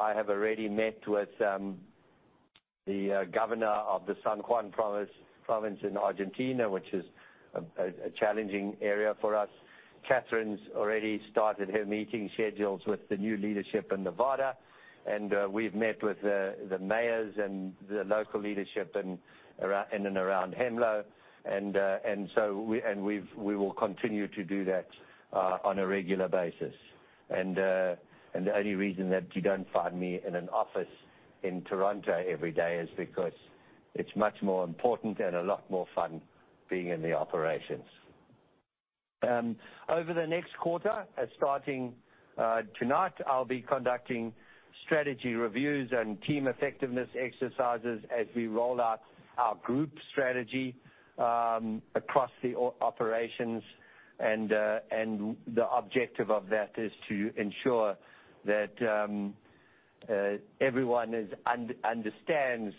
I have already met with the Governor of the San Juan province in Argentina, which is a challenging area for us. Catherine's already started her meeting schedules with the new leadership in Nevada. We've met with the mayors and the local leadership in and around Hemlo. We will continue to do that on a regular basis. The only reason that you don't find me in an office in Toronto every day is because it's much more important and a lot more fun being in the operations. Over the next quarter, starting tonight, I'll be conducting strategy reviews and team effectiveness exercises as we roll out our group strategy across the operations. The objective of that is to ensure that everyone understands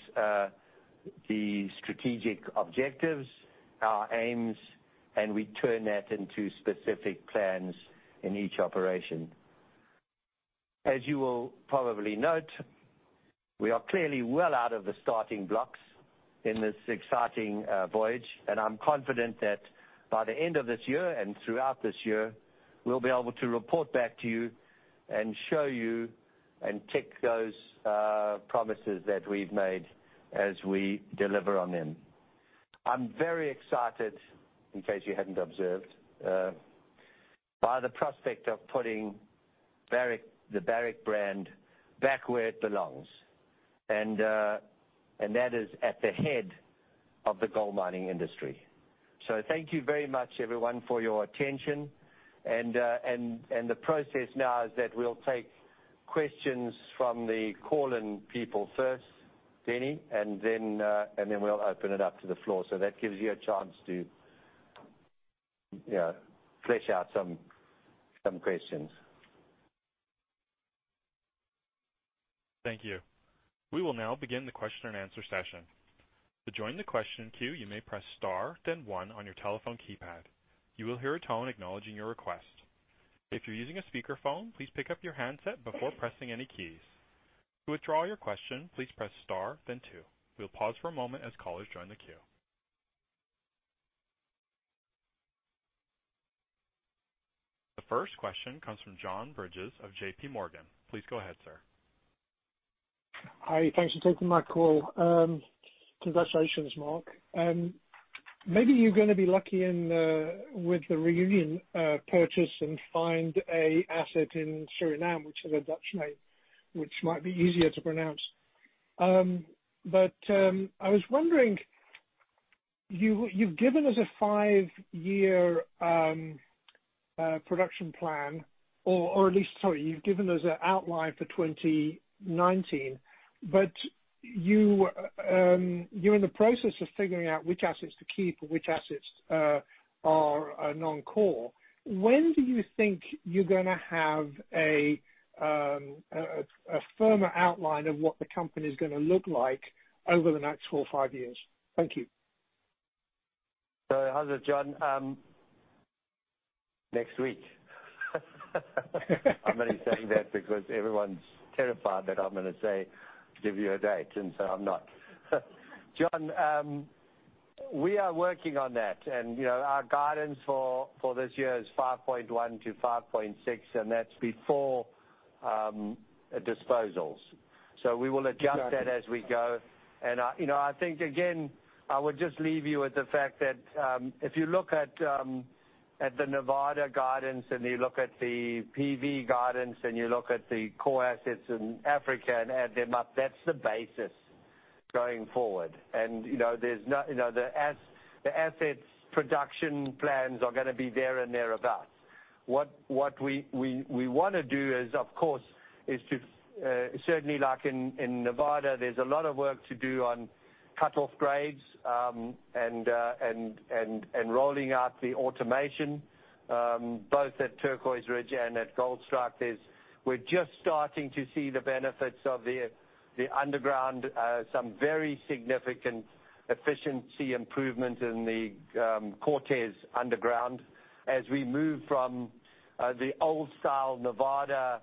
the strategic objectives, our aims, and we turn that into specific plans in each operation. As you will probably note, we are clearly well out of the starting blocks in this exciting voyage. I'm confident that by the end of this year and throughout this year, we'll be able to report back to you and show you and tick those promises that we've made as we deliver on them. I'm very excited, in case you hadn't observed, by the prospect of putting the Barrick brand back where it belongs, and that is at the head of the gold mining industry. Thank you very much, everyone, for your attention. The process now is that we'll take questions from the call-in people first, Denny, and then we'll open it up to the floor. That gives you a chance to flesh out some questions. Thank you. We will now begin the question and answer session. The 1st question comes from John Bridges of JPMorgan. Please go ahead, sir. Hi. Thanks for taking my call. Congratulations, Mark. Maybe you're going to be lucky with the Reunion purchase and find an asset in Suriname, which has a Dutch name, which might be easier to pronounce. I was wondering, you've given us a five-year production plan, or at least, sorry, you've given us an outline for 2019. You're in the process of figuring out which assets to keep and which assets are non-core. When do you think you're going to have a firmer outline of what the company is going to look like over the next four or five years? Thank you. How's it, John? Next week. I'm only saying that because everyone's terrified that I'm going to give you a date. I'm not. John, we are working on that. Our guidance for this year is 5.1 to 5.6, and that's before disposals. We will adjust that- Got you as we go. I think, again, I would just leave you with the fact that if you look at the Nevada guidance and you look at the PV guidance and you look at the core assets in Africa and add them up, that's the basis going forward. The assets' production plans are going to be there and thereabout. What we want to do is, of course, is to certainly like in Nevada, there's a lot of work to do on cut-off grades and rolling out the automation, both at Turquoise Ridge and at Goldstrike. We're just starting to see the benefits of the underground, some very significant efficiency improvement in the Cortez underground as we move from the old style Nevada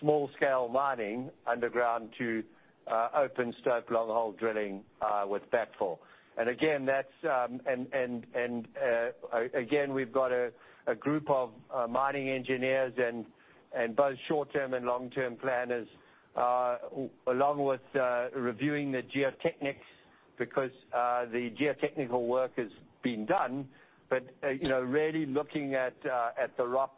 small-scale mining underground to open stope long hole drilling with backfill. Again, we've got a group of mining engineers and both short-term and long-term planners, along with reviewing the geotechnics because the geotechnical work is being done, but really looking at the rock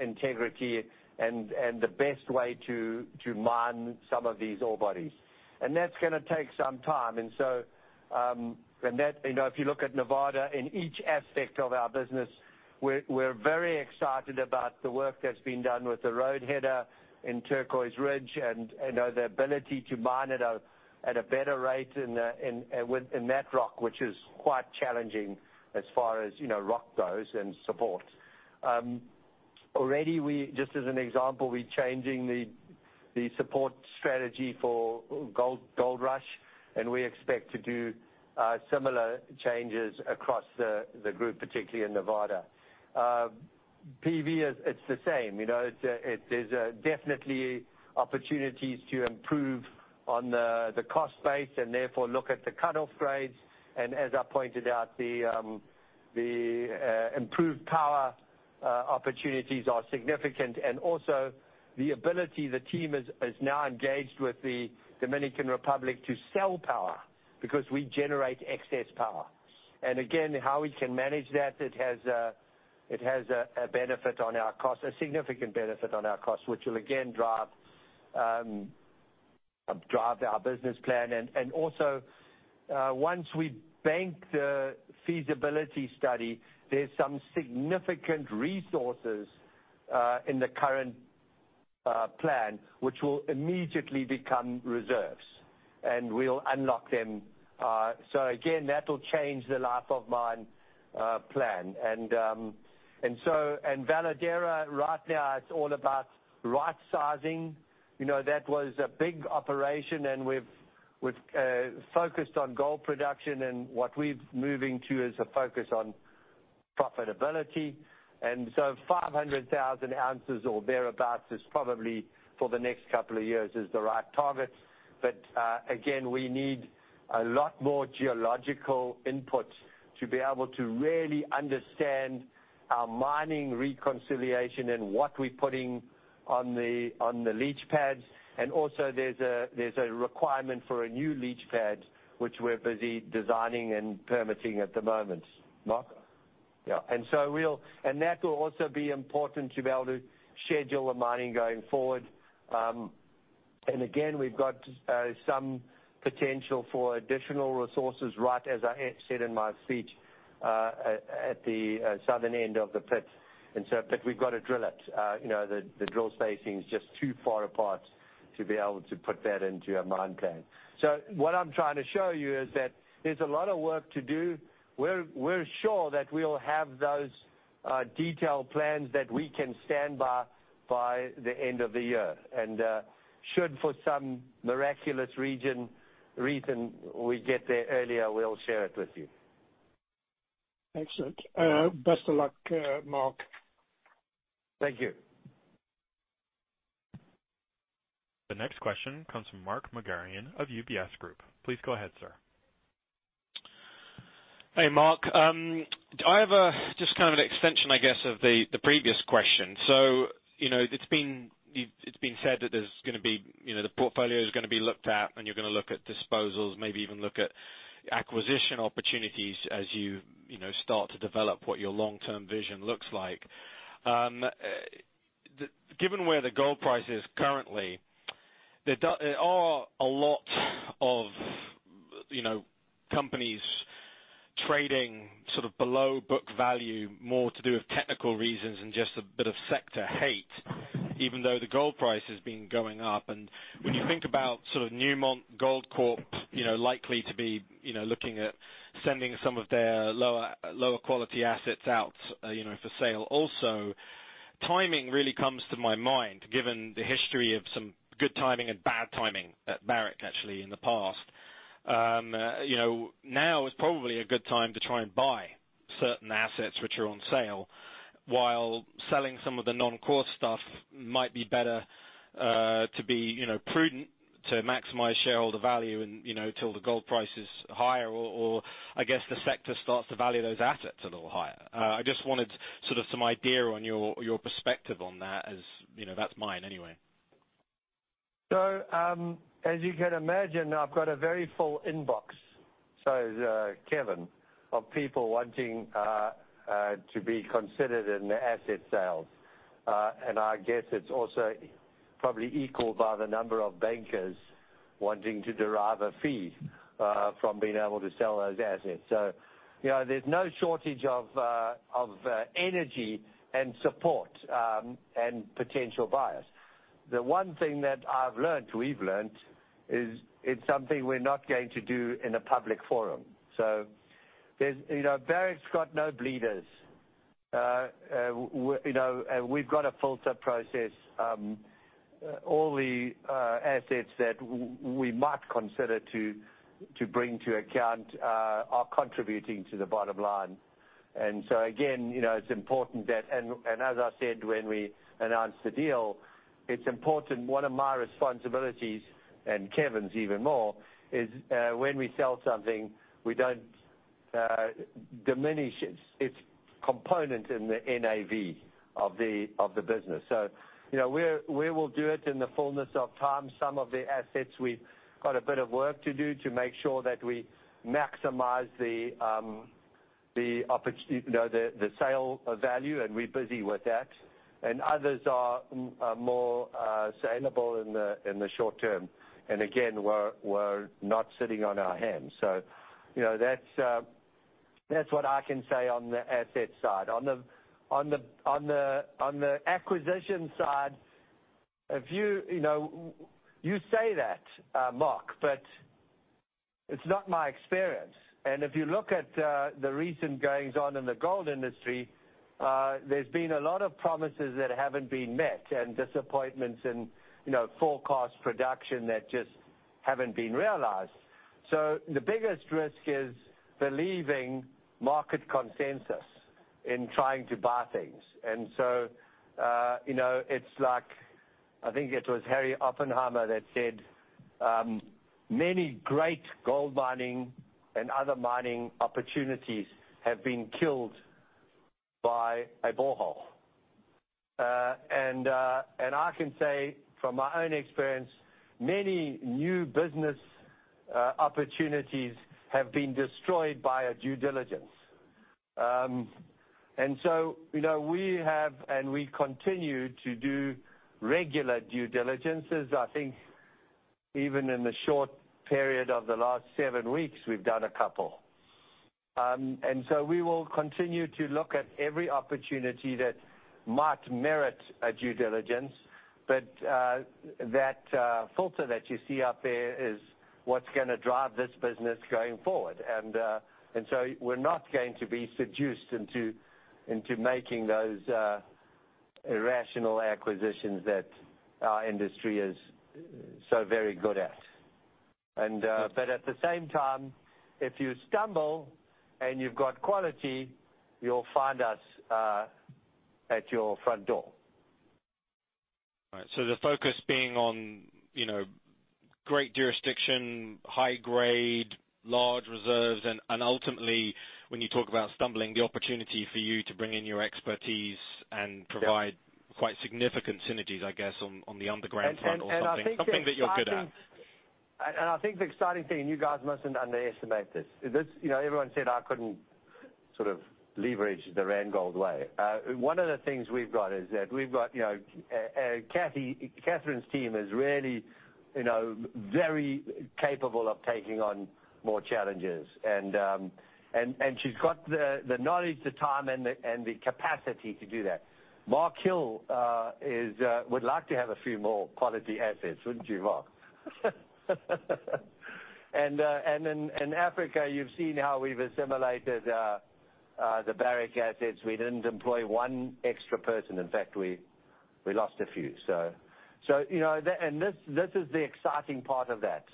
integrity and the best way to mine some of these ore bodies. That's going to take some time. If you look at Nevada, in each aspect of our business, we're very excited about the work that's been done with the roadheader in Turquoise Ridge and the ability to mine it at a better rate in that rock, which is quite challenging as far as rock goes and support. Already, just as an example, we're changing the support strategy for Gold Rush, and we expect to do similar changes across the group, particularly in Nevada. PV, it's the same. There's definitely opportunities to improve on the cost base and therefore look at the cut-off grades. As I pointed out, the improved power opportunities are significant. Also the ability, the team is now engaged with the Dominican Republic to sell power because we generate excess power. Again, how we can manage that, it has a benefit on our cost, a significant benefit on our cost, which will again drive our business plan. Also, once we bank the feasibility study, there's some significant resources in the current plan which will immediately become reserves, and we'll unlock them. Again, that'll change the life of mine plan. Veladero right now is all about right sizing. That was a big operation, and we've focused on gold production, and what we're moving to is a focus on profitability. 500,000 ounces or thereabout is probably for the next couple of years is the right target. Again, we need a lot more geological input to be able to really understand our mining reconciliation and what we're putting on the leach pads. Also, there's a requirement for a new leach pad, which we're busy designing and permitting at the moment. Mark? Yeah. That will also be important to be able to schedule the mining going forward. Again, we've got some potential for additional resources, right, as I said in my speech, at the southern end of the pit. We've got to drill it. The drill spacing is just too far apart to be able to put that into a mine plan. What I'm trying to show you is that there's a lot of work to do. We're sure that we'll have those detailed plans that we can stand by the end of the year. Should for some miraculous reason we get there earlier, we'll share it with you. Excellent. Best of luck, Mark. Thank you. The next question comes from Mark Magarian of UBS Group. Please go ahead, sir. Hey, Mark. I have just an extension, I guess, of the previous question. It's been said that the portfolio is going to be looked at, and you're going to look at disposals, maybe even look at acquisition opportunities as you start to develop what your long-term vision looks like. Given where the gold price is currently, there are a lot of companies trading below book value, more to do with technical reasons and just a bit of sector hate, even though the gold price has been going up. When you think about Newmont Goldcorp likely to be looking at sending some of their lower quality assets out for sale also. Timing really comes to my mind, given the history of some good timing and bad timing at Barrick actually in the past. Now is probably a good time to try and buy certain assets which are on sale, while selling some of the non-core stuff might be better to be prudent to maximize shareholder value until the gold price is higher or, I guess, the sector starts to value those assets a little higher. I just wanted some idea on your perspective on that as that's mine anyway. As you can imagine, I've got a very full inbox, so is Kevin, of people wanting to be considered in the asset sales. I guess it's also probably equaled by the number of bankers wanting to derive a fee from being able to sell those assets. There's no shortage of energy and support, and potential buyers. The one thing that we've learnt, is it's something we're not going to do in a public forum. Barrick's got no bleeders. We've got a filter process. All the assets that we might consider to bring to account are contributing to the bottom line. As I said when we announced the deal, it's important, one of my responsibilities, and Kevin's even more, is when we sell something, we don't diminish its component in the NAV of the business. We will do it in the fullness of time. Some of the assets, we've got a bit of work to do to make sure that we maximize the sale value, and we're busy with that. Others are more saleable in the short term. Again, we're not sitting on our hands. That's what I can say on the asset side. On the acquisition side, you say that, Mark, but it's not my experience. If you look at the recent goings-on in the gold industry, there's been a lot of promises that haven't been met and disappointments in forecast production that just haven't been realized. The biggest risk is believing market consensus in trying to buy things. It's like, I think it was Harry Oppenheimer that said, "Many great gold mining and other mining opportunities have been killed by a borehole." I can say from my own experience, many new business opportunities have been destroyed by a due diligence. We have, and we continue to do regular due diligences. I think even in the short period of the last seven weeks, we've done a couple. We will continue to look at every opportunity that might merit a due diligence. That filter that you see up there is what's going to drive this business going forward. We're not going to be seduced into making those irrational acquisitions that our industry is so very good at. At the same time, if you stumble and you've got quality, you'll find us at your front door. Right. The focus being on great jurisdiction, high grade, large reserves, and ultimately, when you talk about stumbling, the opportunity for you to bring in your expertise and provide quite significant synergies, I guess, on the underground front or something- I think the exciting something that you're good at. I think the exciting thing. You guys mustn't underestimate this. Everyone said I couldn't leverage the Randgold way. One of the things we've got is that we've got Catherine Raw's team is really very capable of taking on more challenges. She's got the knowledge, the time, and the capacity to do that. Mark Hill would like to have a few more quality assets, wouldn't you, Mark? In Africa, you've seen how we've assimilated the Barrick assets. We didn't employ one extra person. In fact, we lost a few. This is the exciting part of that.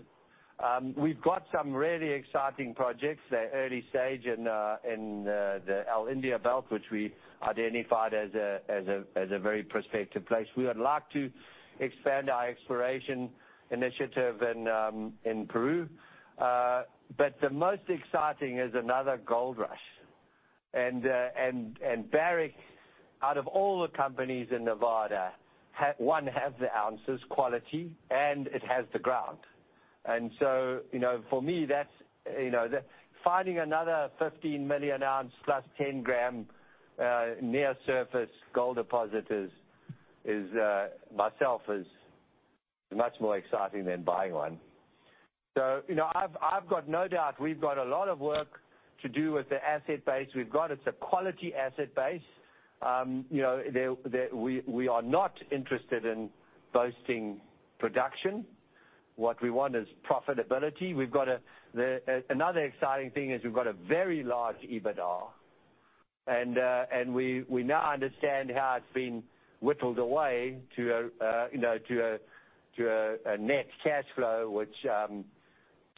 We've got some really exciting projects. They're early stage in the El Indio belt, which we identified as a very prospective place. We would like to expand our exploration initiative in Peru. The most exciting is another gold rush. Barrick, out of all the companies in Nevada, one, have the ounces quality, and it has the ground. For me, finding another 15 million ounce, +10-gram near-surface gold deposit is myself much more exciting than buying one. I've got no doubt we've got a lot of work to do with the asset base we've got. It's a quality asset base. We are not interested in boasting production. What we want is profitability. Another exciting thing is we've got a very large EBITDA, and we now understand how it's been whittled away to a net cash flow,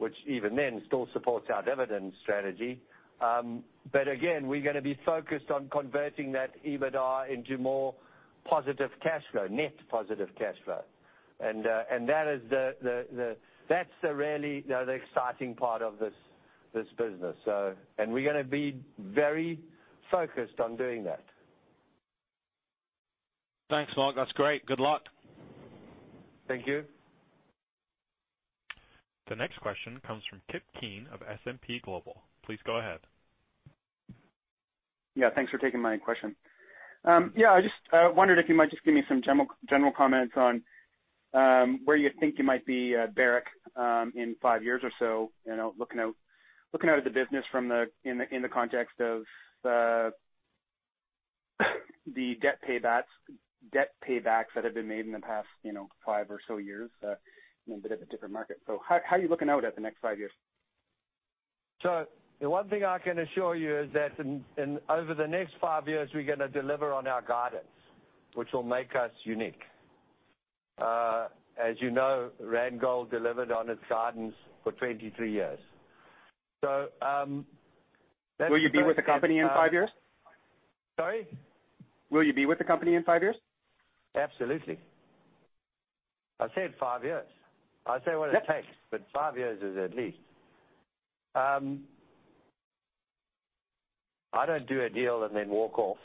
which even then, still supports our dividend strategy. Again, we're going to be focused on converting that EBITDA into more positive cash flow, net positive cash flow. That's the really exciting part of this business. We're going to be very focused on doing that. Thanks, Mark. That's great. Good luck. Thank you. The next question comes from Kip Keen of S&P Global. Please go ahead. Thanks for taking my question. I just wondered if you might just give me some general comments on where you think you might be at Barrick in five years or so, looking out at the business in the context of the debt paybacks that have been made in the past five or so years in a bit of a different market. How are you looking out at the next five years? The one thing I can assure you is that over the next five years, we're going to deliver on our guidance, which will make us unique. As you know, Randgold delivered on its guidance for 23 years. Will you be with the company in five years? Sorry? Will you be with the company in five years? Absolutely. I said five years. I'll say what it takes, but five years is at least. I don't do a deal and then walk off.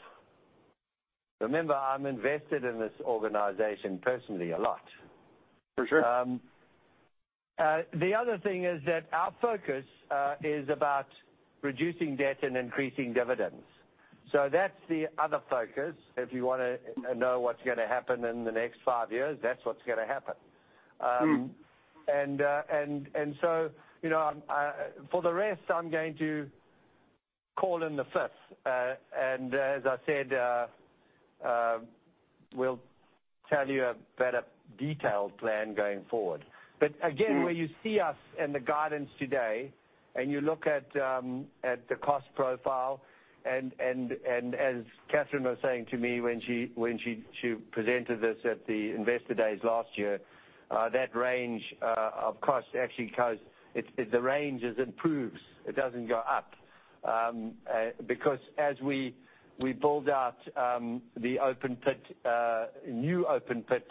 Remember, I'm invested in this organization personally a lot. For sure. The other thing is that our focus is about reducing debt and increasing dividends. That's the other focus. If you want to know what's going to happen in the next five years, that's what's going to happen. For the rest, I'm going to call in the fifth. As I said, we'll tell you a better detailed plan going forward. Again, where you see us and the guidance today, and you look at the cost profile and as Catherine was saying to me when she presented this at the investor days last year, that range of cost actually. The range improves. It doesn't go up. Because as we build out the new open pit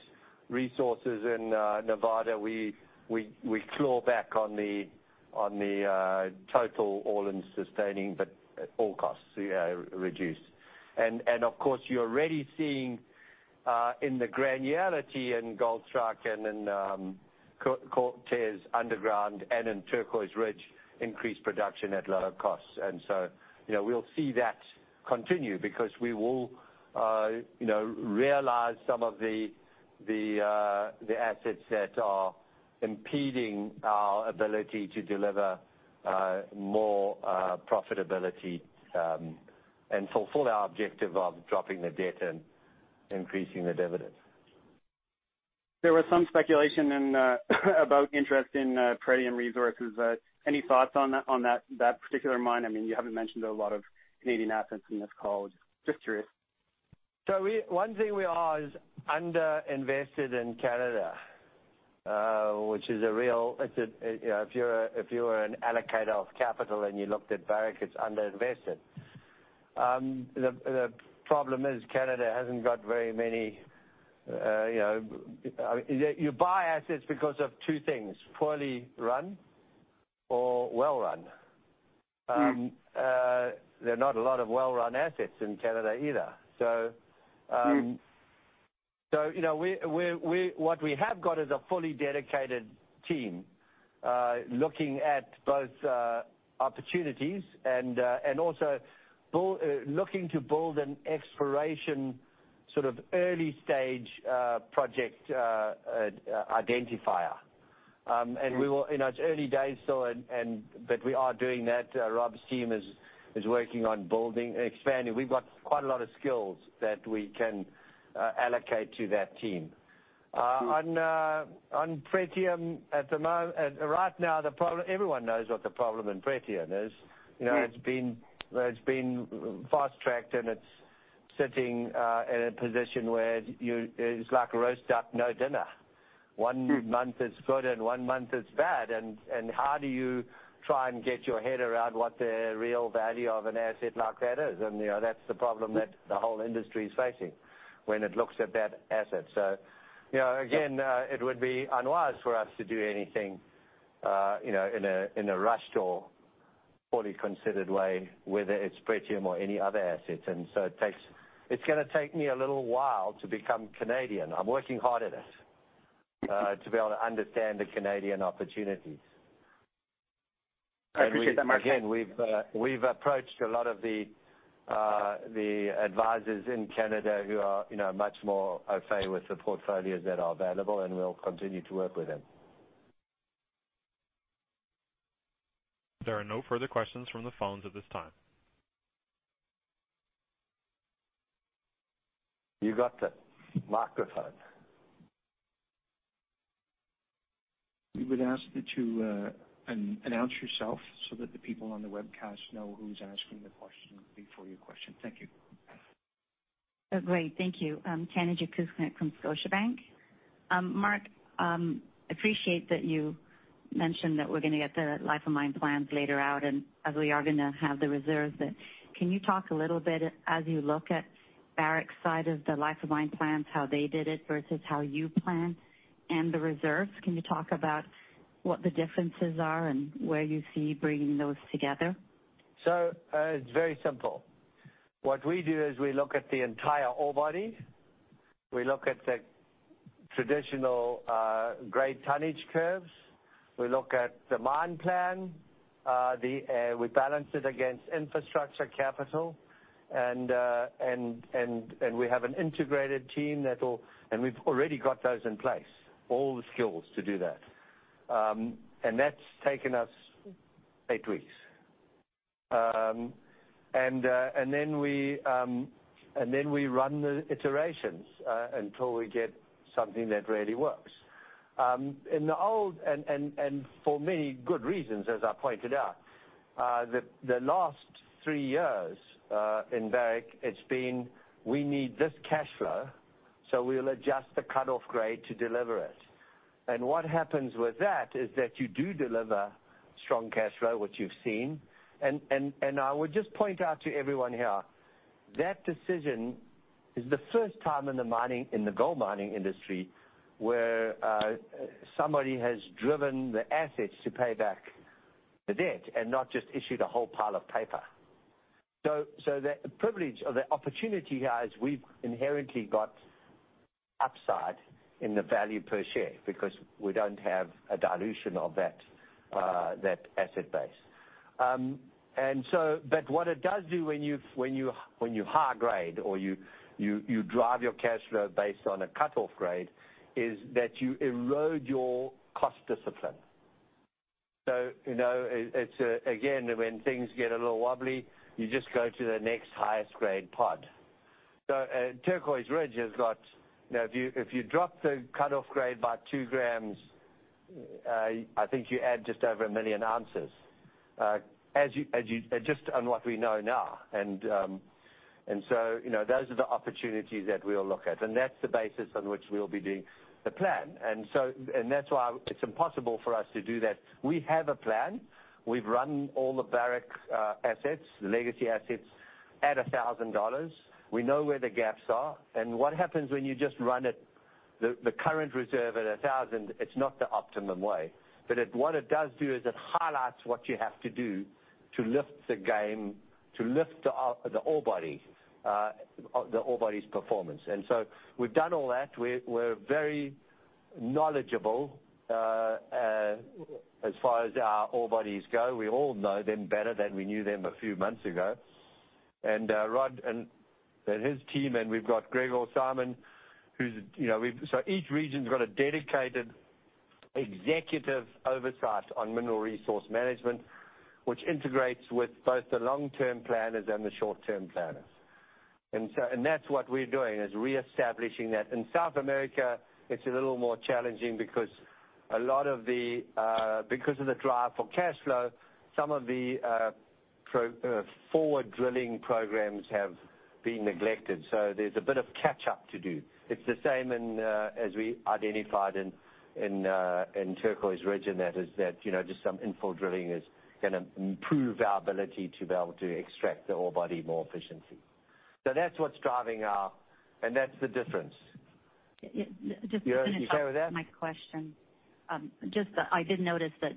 resources in Nevada, we claw back on the total all-in sustaining, but at all costs, reduced. Of course, you're already seeing in the granularity in Goldstrike and in Cortez Underground and in Turquoise Ridge, increased production at lower costs. We'll see that continue because we will realize some of the assets that are impeding our ability to deliver more profitability, and fulfill our objective of dropping the debt and increasing the dividend. There was some speculation about interest in Pretium Resources. Any thoughts on that particular mine? You haven't mentioned a lot of Canadian assets in this call. Just curious. One thing we are is under-invested in Canada. If you're an allocator of capital and you looked at Barrick, it's under-invested. The problem is Canada hasn't got very many. You buy assets because of two things, poorly run or well run. There are not a lot of well-run assets in Canada either. What we have got is a fully dedicated team looking at both opportunities and also looking to build an exploration early-stage project identifier. We will. It's early days still, but we are doing that. Rob's team is working on building and expanding. We've got quite a lot of skills that we can allocate to that team. On Pretium, right now, everyone knows what the problem in Pretium is. Yes. It's been fast-tracked, and it's sitting in a position where it's like a roast duck, no dinner. One month it's good, and one month it's bad. How do you try and get your head around what the real value of an asset like that is? That's the problem that the whole industry is facing when it looks at that asset. Again, it would be unwise for us to do anything in a rushed or poorly considered way, whether it's Pretium or any other asset. It's going to take me a little while to become Canadian. I'm working hard at it, to be able to understand the Canadian opportunities. I appreciate that, Mark. Again, we've approached a lot of the advisors in Canada who are much more au fait with the portfolios that are available, and we'll continue to work with them. There are no further questions from the phones at this time. You got it. Microphone. We would ask that you announce yourself so that the people on the webcast know who's asking the question before your question. Thank you. Great, thank you. Tanya Jakusconek from Scotiabank. Mark, appreciate that you mentioned that we're going to get the life of mine plans later out and as we are going to have the reserves then. Can you talk a little bit, as you look at Barrick's side of the life of mine plans, how they did it versus how you plan and the reserves? Can you talk about what the differences are and where you see bringing those together? It's very simple. What we do is we look at the entire ore body. We look at the traditional grade tonnage curves. We look at the mine plan. We balance it against infrastructure capital, and we have an integrated team, and we've already got those in place, all the skills to do that. That's taken us eight weeks. Then we run the iterations, until we get something that really works. In the old, and for many good reasons, as I pointed out, the last three years in Barrick, it's been, we need this cash flow, so we'll adjust the cut-off grade to deliver it. What happens with that is that you do deliver strong cash flow, which you've seen. I would just point out to everyone here, that decision is the first time in the gold mining industry where somebody has driven the assets to pay back the debt and not just issued a whole pile of paper. The privilege or the opportunity here is we've inherently got upside in the value per share because we don't have a dilution of that asset base. What it does do when you high grade or you drive your cash flow based on a cut-off grade, is that you erode your cost discipline. Again, when things get a little wobbly, you just go to the next highest grade pod. Turquoise Ridge has got, if you drop the cut-off grade by two grams, I think you add just over 1 million ounces, just on what we know now. Those are the opportunities that we'll look at, and that's the basis on which we'll be doing the plan. That's why it's impossible for us to do that. We have a plan. We've run all the Barrick assets, the legacy assets at $1,000. We know where the gaps are. What happens when you just run it, the current reserve at $1,000, it's not the optimum way. What it does do is it highlights what you have to do to lift the game, to lift the ore body's performance. We've done all that. We're very knowledgeable, as far as our ore bodies go. We all know them better than we knew them a few months ago. Rod and his team, we've got Grigore Simon. Each region's got a dedicated executive oversight on mineral resource management, which integrates with both the long-term planners and the short-term planners. That's what we're doing, is reestablishing that. In South America, it's a little more challenging because of the drive for cash flow, some of the forward drilling programs have been neglected. There's a bit of catch-up to do. It's the same as we identified in Turquoise Ridge, and that is that just some infill drilling is going to improve our ability to be able to extract the ore body more efficiently. That's what's driving our. That's the difference. Just to finish up. You okay with that? -my question. I did notice that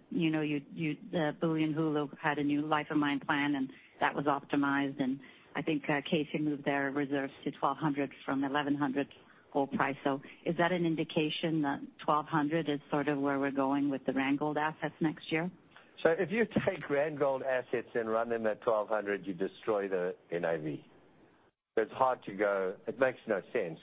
Bulyanhulu had a new life of mine plan, and that was optimized, and I think Casey moved their reserves to 1,200 from 1,100 gold price. Is that an indication that 1,200 is sort of where we're going with the Randgold assets next year? If you take Randgold assets and run them at 1,200, you destroy the NAV. It makes no sense.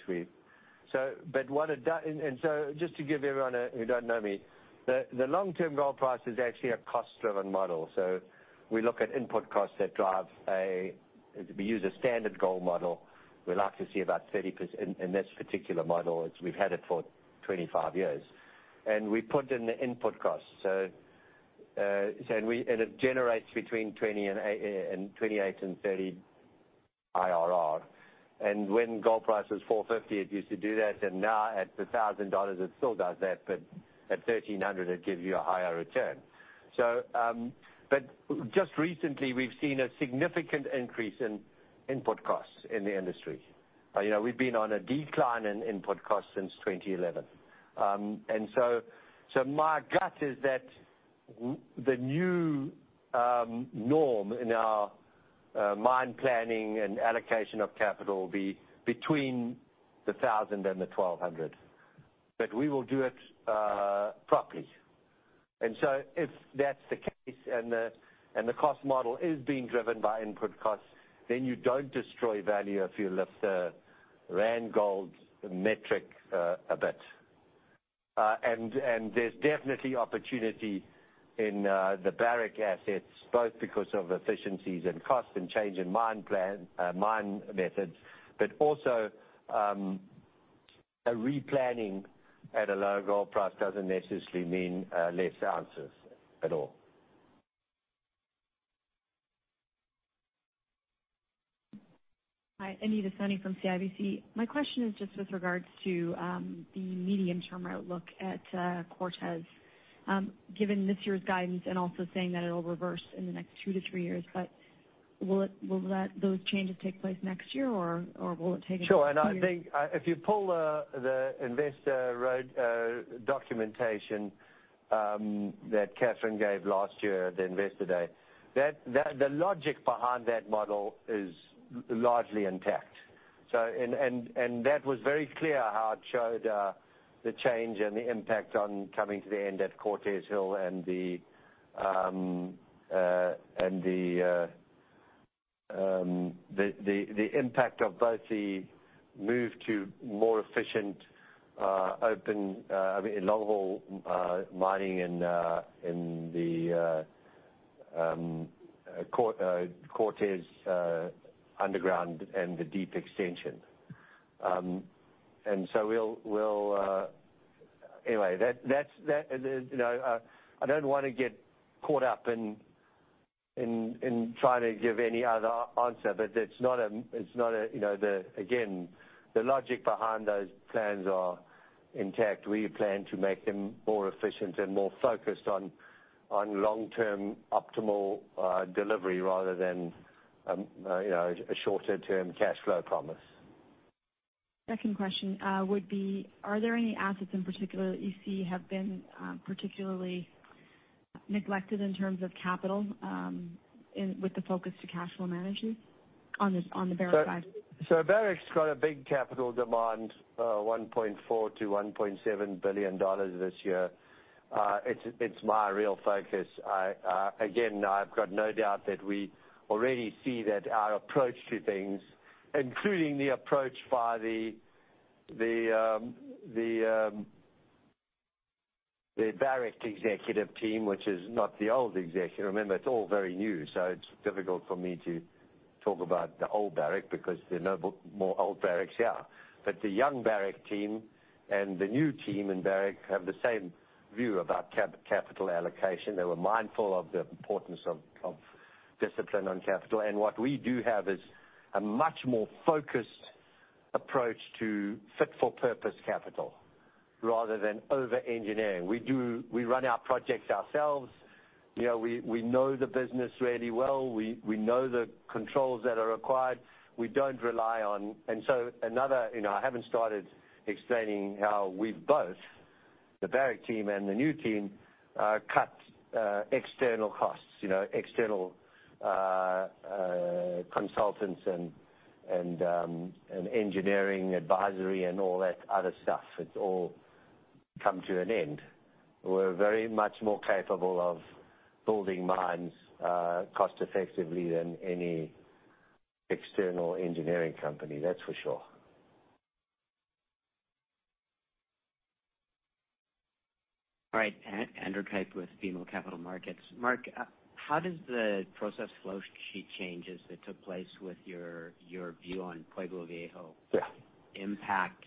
Just to give everyone who doesn't know me, the long-term gold price is actually a cost-driven model. We look at input costs that drive. We use a standard gold model. We like to see about 30% in this particular model, as we've had it for 25 years. We put in the input costs, and it generates between 28 and 30 IRR. When gold price was $450, it used to do that, and now at $1,000, it still does that, but at $1,300, it gives you a higher return. Just recently, we've seen a significant increase in input costs in the industry. We've been on a decline in input costs since 2011. My gut is that the new norm in our mine planning and allocation of capital will be between the 1,000 and the 1,200. We will do it properly. If that's the case and the cost model is being driven by input costs, then you don't destroy value if you lift the Randgold metric a bit. There's definitely opportunity in the Barrick assets, both because of efficiencies and cost and change in mine methods, but also a replanning at a lower gold price doesn't necessarily mean less ounces at all. Hi, Anita Soni from CIBC. My question is just with regards to the medium-term outlook at Cortez. Given this year's guidance and also saying that it'll reverse in the next two to three years, will those changes take place next year or will it take? Sure. I think if you pull the investor documentation that Catherine gave last year at the Investor Day, the logic behind that model is largely intact. That was very clear how it showed the change and the impact on coming to the end at Cortez Hill and the impact of both the move to more efficient open long-haul mining in the Cortez underground and the deep extension. Anyway, I don't want to get caught up in trying to give any other answer, again, the logic behind those plans are intact. We plan to make them more efficient and more focused on long-term optimal delivery rather than a shorter-term cash flow promise. 2nd question would be, are there any assets in particular that you see have been particularly neglected in terms of capital with the focus to cash flow management on the Barrick side? Barrick's got a big capital demand, $1.4 billion-$1.7 billion this year. It's my real focus. Again, I've got no doubt that we already see that our approach to things, including the approach by the Barrick executive team, which is not the old executive. Remember, it's all very new, it's difficult for me to talk about the old Barrick because there are no more old Barricks here. The young Barrick team and the new team in Barrick have the same view about capital allocation. They were mindful of the importance of discipline on capital. What we do have is a much more focused approach to fit-for-purpose capital rather than over-engineering. We run our projects ourselves. We know the business really well. We know the controls that are required. I haven't started explaining how we both, the Barrick team and the new team, cut external costs, external consultants and engineering advisory and all that other stuff. It's all come to an end. We're very much more capable of building mines cost-effectively than any external engineering company, that's for sure. All right, Andrew Quail with BMO Capital Markets. Mark, how does the process flow sheet changes that took place with your view on Pueblo Viejo- Yeah impact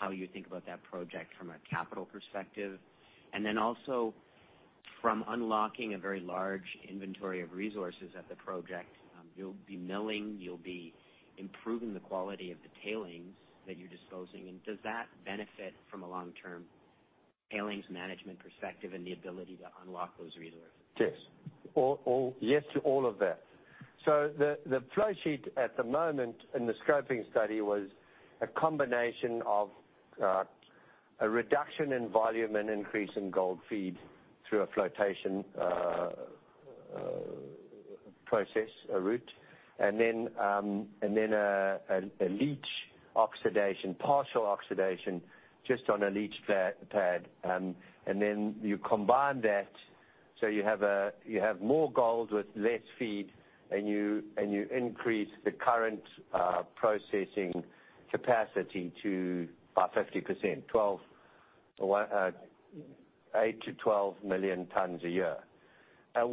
how you think about that project from a capital perspective? Also from unlocking a very large inventory of resources at the project, you'll be milling, you'll be improving the quality of the tailings that you're disposing. Does that benefit from a long-term tailings management perspective and the ability to unlock those resources? Yes. Yes to all of that. The flow sheet at the moment in the scoping study was a combination of a reduction in volume and increase in gold feed through a flotation process route. Then a leach oxidation, partial oxidation, just on a leach pad. Then you combine that. You have more gold with less feed, and you increase the current processing capacity by 50%, 8-12 million tons a year. That's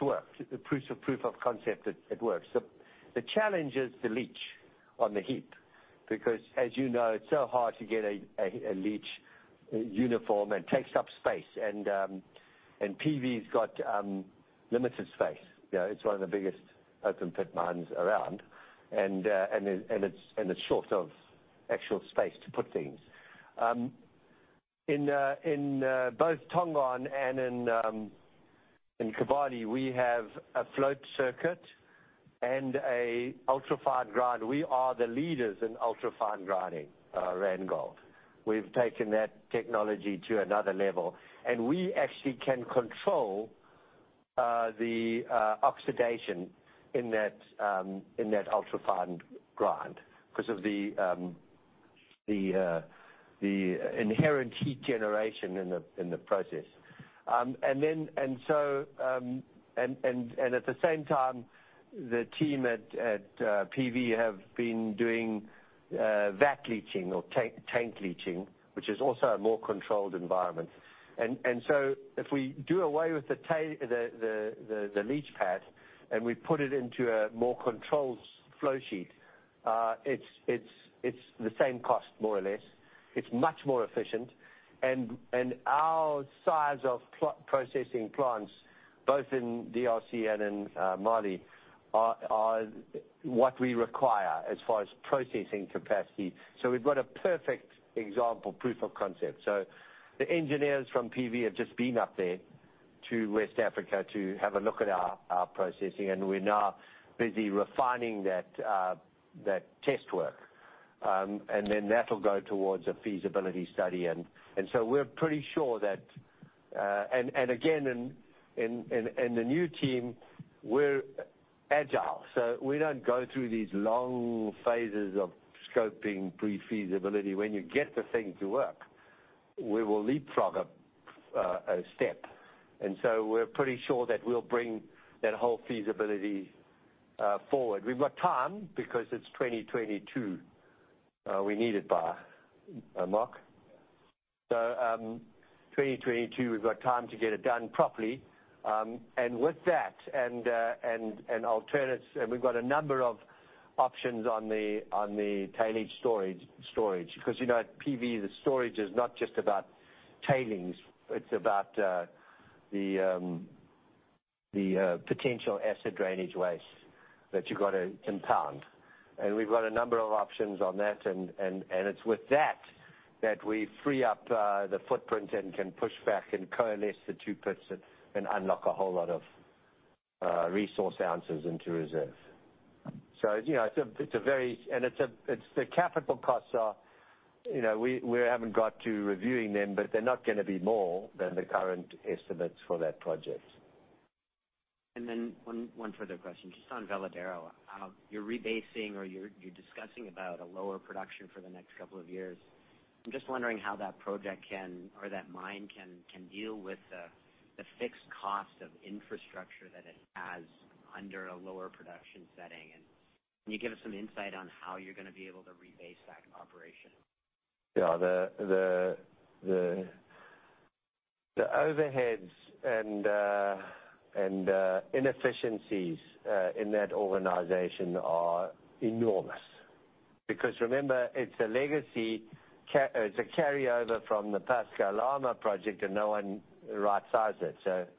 worked. Proof of concept, it works. The challenge is the leach on the heap because, as you know, it's so hard to get a leach uniform, and it takes up space. PV's got limited space. It's one of the biggest open pit mines around, and it's short of actual space to put things. In both Tongon and in Koumri, we have a float circuit and a ultra-fine grind. We are the leaders in ultra-fine grinding, Randgold. We've taken that technology to another level, and we actually can control the oxidation in that ultra-fine grind because of the inherent heat generation in the process. At the same time, the team at PV have been doing vac leaching or tank leaching, which is also a more controlled environment. If we do away with the leach pad and we put it into a more controlled flow sheet, it's the same cost, more or less. It's much more efficient, and our size of processing plants, both in DRC and in Mali, are what we require as far as processing capacity. We've got a perfect example proof of concept. The engineers from PV have just been up there to West Africa to have a look at our processing, and we're now busy refining that test work. That'll go towards a feasibility study. Again, in the new team, we're agile, so we don't go through these long phases of scoping pre-feasibility. When you get the thing to work, we will leapfrog a step. We're pretty sure that we'll bring that whole feasibility forward. We've got time because it's 2022 we need it by, Mark? Yeah. 2022, we've got time to get it done properly. With that and alternates, we've got a number of options on the tailings storage because at PV, the storage is not just about tailings, it's about the potential acid drainage waste that you got to impound. We've got a number of options on that, and it's with that that we free up the footprint and can push back and coalesce the two pits and unlock a whole lot of resource ounces into reserve. The capital costs, we haven't got to reviewing them, but they're not going to be more than the current estimates for that project. One further question, just on Veladero. You're rebasing or you're discussing about a lower production for the next couple of years. I'm just wondering how that project can or that mine can deal with the fixed cost of infrastructure that it has under a lower production setting, and can you give us some insight on how you're going to be able to rebase that operation? Yeah. The overheads and inefficiencies in that organization are enormous because remember, it's a legacy. It's a carryover from the past Kalama project and no one right-sized it.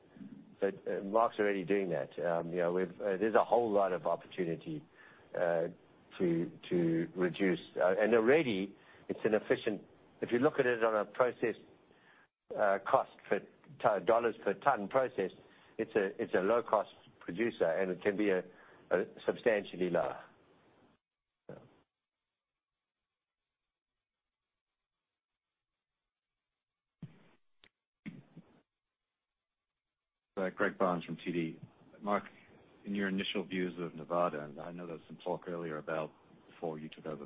Mark's already doing that. There's a whole lot of opportunity to reduce. Already it's inefficient. If you look at it on a process cost for $ per ton processed, it's a low-cost producer, and it can be substantially lower. Greg Barnes from TD. Mark, in your initial views of Nevada, and I know there was some talk earlier before you took over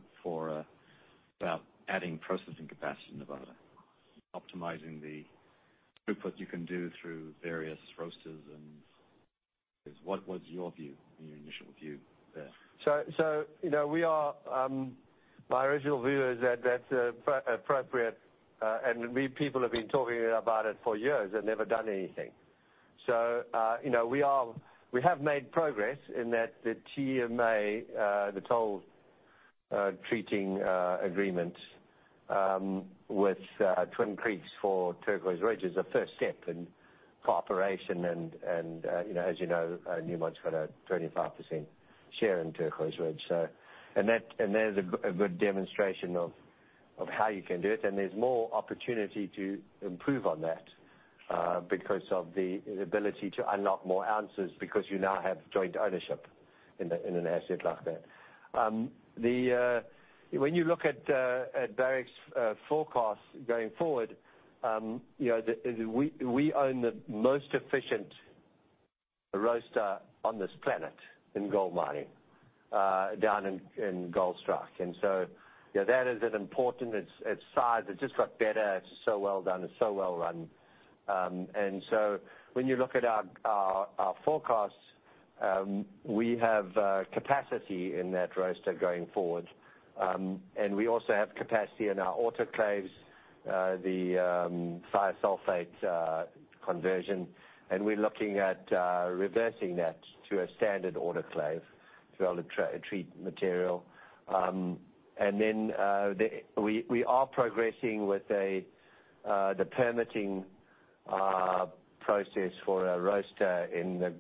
about adding processing capacity in Nevada, optimizing the throughput you can do through various roasters and things. What was your view and your initial view there? My original view is that that's appropriate, people have been talking about it for years and never done anything. We have made progress in that the TMA, the toll treating agreement, with Twin Creeks for Turquoise Ridge is a 1st step in cooperation and as you know, Newmont's got a 25% share in Turquoise Ridge, and that is a good demonstration of how you can do it. There's more opportunity to improve on that because of the ability to unlock more ounces because you now have joint ownership in an asset like that. When you look at Barrick's forecast going forward, we own the most efficient roaster on this planet in gold mining, down in Goldstrike. That is an important. Its size, it just got better. It's so well done and so well run. When you look at our forecasts, we have capacity in that roaster going forward. We also have capacity in our autoclaves, the thiosulfate conversion. We're looking at reversing that to a standard autoclave to treat material. Then, we are progressing with the permitting process for a roaster in the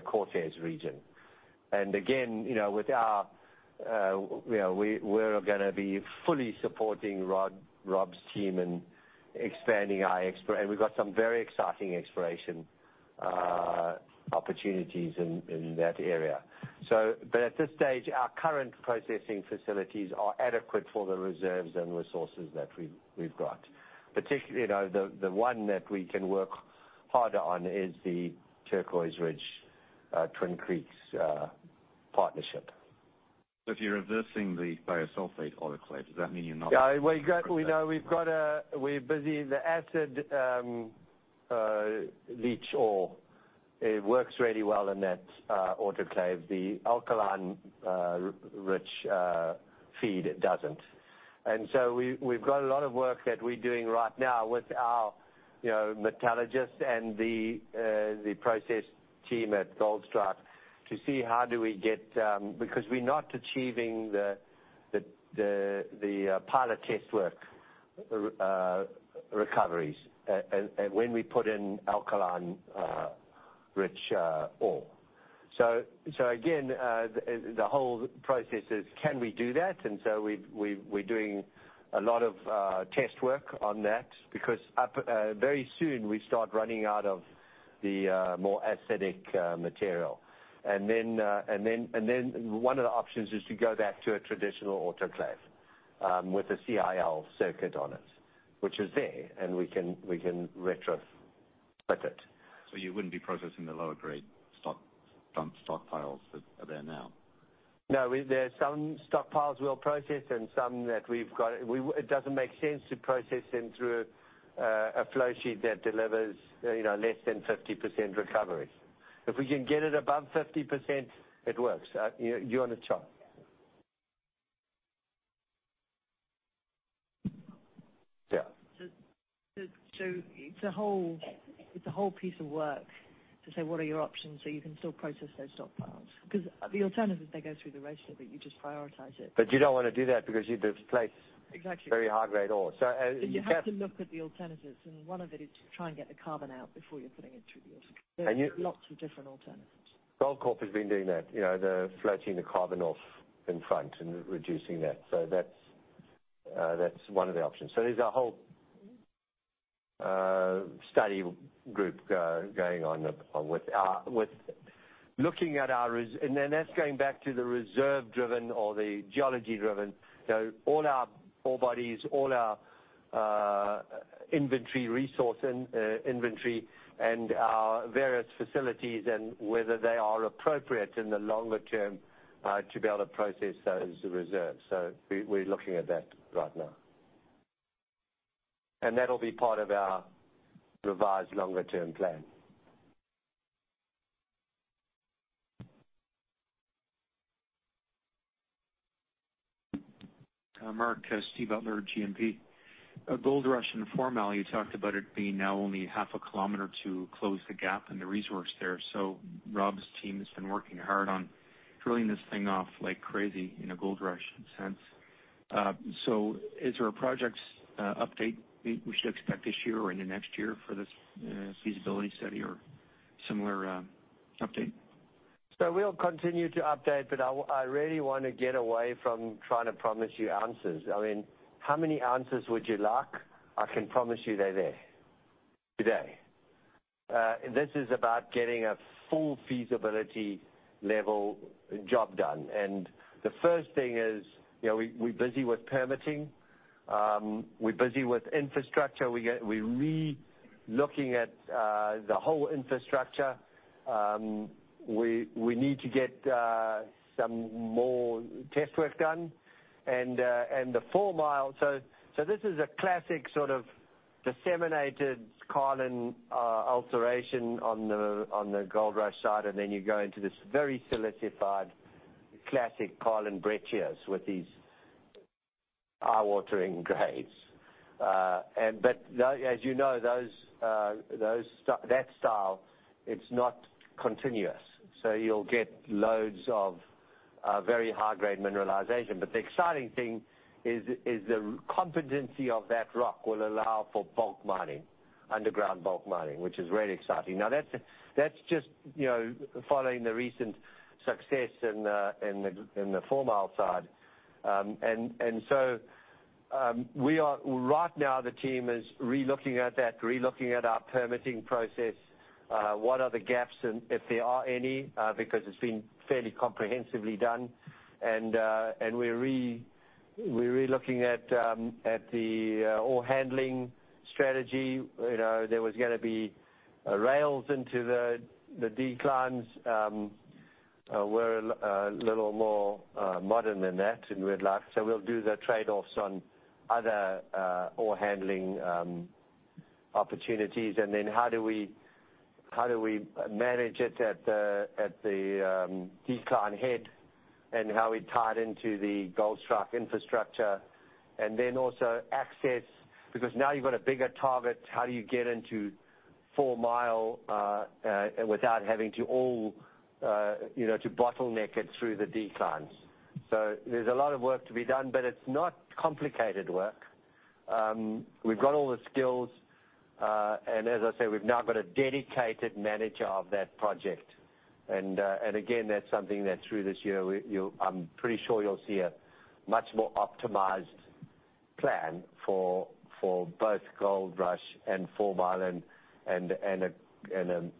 Cortez region. Again, we're going to be fully supporting Rob's team in expanding our exploration opportunities in that area. At this stage, our current processing facilities are adequate for the reserves and resources that we've got. Particularly, the one that we can work harder on is the Turquoise Ridge, Twin Creeks partnership. If you're reversing the thiosulfate autoclave, does that mean you're not? Yeah. We're busy. The acid leach ore, it works really well in that autoclave. The alkaline-rich feed doesn't. We've got a lot of work that we're doing right now with our metallurgists and the process team at Goldstrike to see. We're not achieving the pilot test work recoveries when we put in alkaline-rich ore. The whole process is can we do that? We're doing a lot of test work on that because very soon we start running out of the more acidic material. One of the options is to go back to a traditional autoclave, with a CIL circuit on it, which is there, and we can retrofit it. You wouldn't be processing the lower grade dump stockpiles that are there now? No. There are some stockpiles we'll process and some that we've got, it doesn't make sense to process them through a flow sheet that delivers less than 50% recovery. If we can get it above 50%, it works. You're on a chart. Yeah. It's a whole piece of work to say what are your options so you can still process those stockpiles. Because the alternative is they go through the roaster, but you just prioritize it. You don't want to do that because you'd replace- Exactly. -very high-grade ore. And you have- You have to look at the alternatives, and one of it is to try and get the carbon out before you're putting it through the roaster. And you- There are lots of different alternatives. Goldcorp Inc. has been doing that. They're floating the carbon off in front and reducing that. That's one of the options. There's a whole study group going on with looking at our. That's going back to the reserve-driven or the geology-driven, all our ore bodies, all our inventory resource inventory and our various facilities and whether they are appropriate in the longer term, to be able to process those reserves. We're looking at that right now. That'll be part of our revised longer-term plan. Mark, Steve Butler at GMP. At Goldstrike and Fourmile, you talked about it being now only half a kilometer to close the gap and the resource there. Rob's team has been working hard on drilling this thing off like crazy in a Goldstrike sense. Is there a projects update we should expect this year or into next year for this feasibility study or similar update? We'll continue to update, but I really want to get away from trying to promise you answers. I mean, how many answers would you like? I can promise you they're there today. This is about getting a full feasibility level job done. The 1st thing is, we're busy with permitting, we're busy with infrastructure. We're re-looking at the whole infrastructure. We need to get some more test work done. This is a classic sort of disseminated carbon alteration on the Goldstrike side, and then you go into this very silicified classic carbon breccias with these eye-watering grades. As you know, that style, it's not continuous. You'll get loads of very high-grade mineralization. The exciting thing is the competency of that rock will allow for bulk mining, underground bulk mining, which is really exciting. That's just following the recent success in the Fourmile side. Right now the team is relooking at that, relooking at our permitting process, what are the gaps and if there are any, because it's been fairly comprehensively done. We're really looking at the ore handling strategy. There was going to be rails into the declines. We're a little more modern than that. We'll do the trade-offs on other ore handling opportunities, and then how do we manage it at the decline head and how we tie it into the Goldstrike infrastructure? Also access, because now you've got a bigger target, how do you get into Fourmile without having to bottleneck it through the declines? There's a lot of work to be done, but it's not complicated work. We've got all the skills. As I say, we've now got a dedicated manager of that project. Again, that's something that through this year, I'm pretty sure you'll see a much more optimized plan for both Goldstrike and Fourmile, and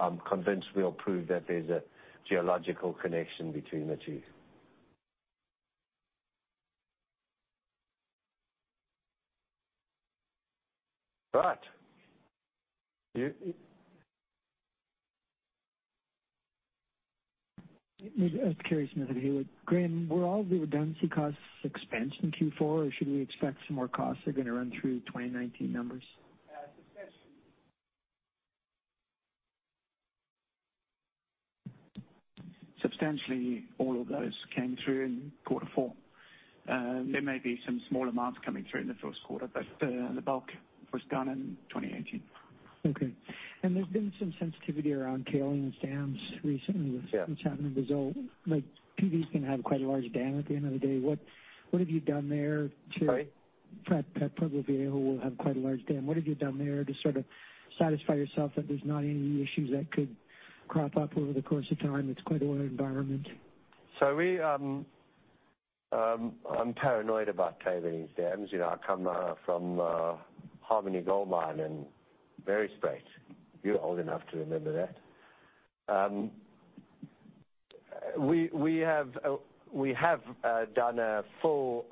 I'm convinced we'll prove that there's a geological connection between the two. Right. Kerry Smith here with Haywood. Were all the redundancy costs expensed in Q4, or should we expect some more costs are going to run through 2019 numbers? Substantially, all of those came through in quarter four. There may be some small amounts coming through in the first quarter, but the bulk was done in 2018. Okay. There's been some sensitivity around tailings dams recently. Yeah With what's happening in Brazil. Like, PV is going to have quite a large dam at the end of the day. What have you done there to? Sorry? Pueblo Viejo will have quite a large dam. What have you done there to sort of satisfy yourself that there's not any issues that could crop up over the course of time? It's quite a water environment. I'm paranoid about tailings dams. I come from Harmony Gold Mine and Goldstrike. You're old enough to remember that. We have done a full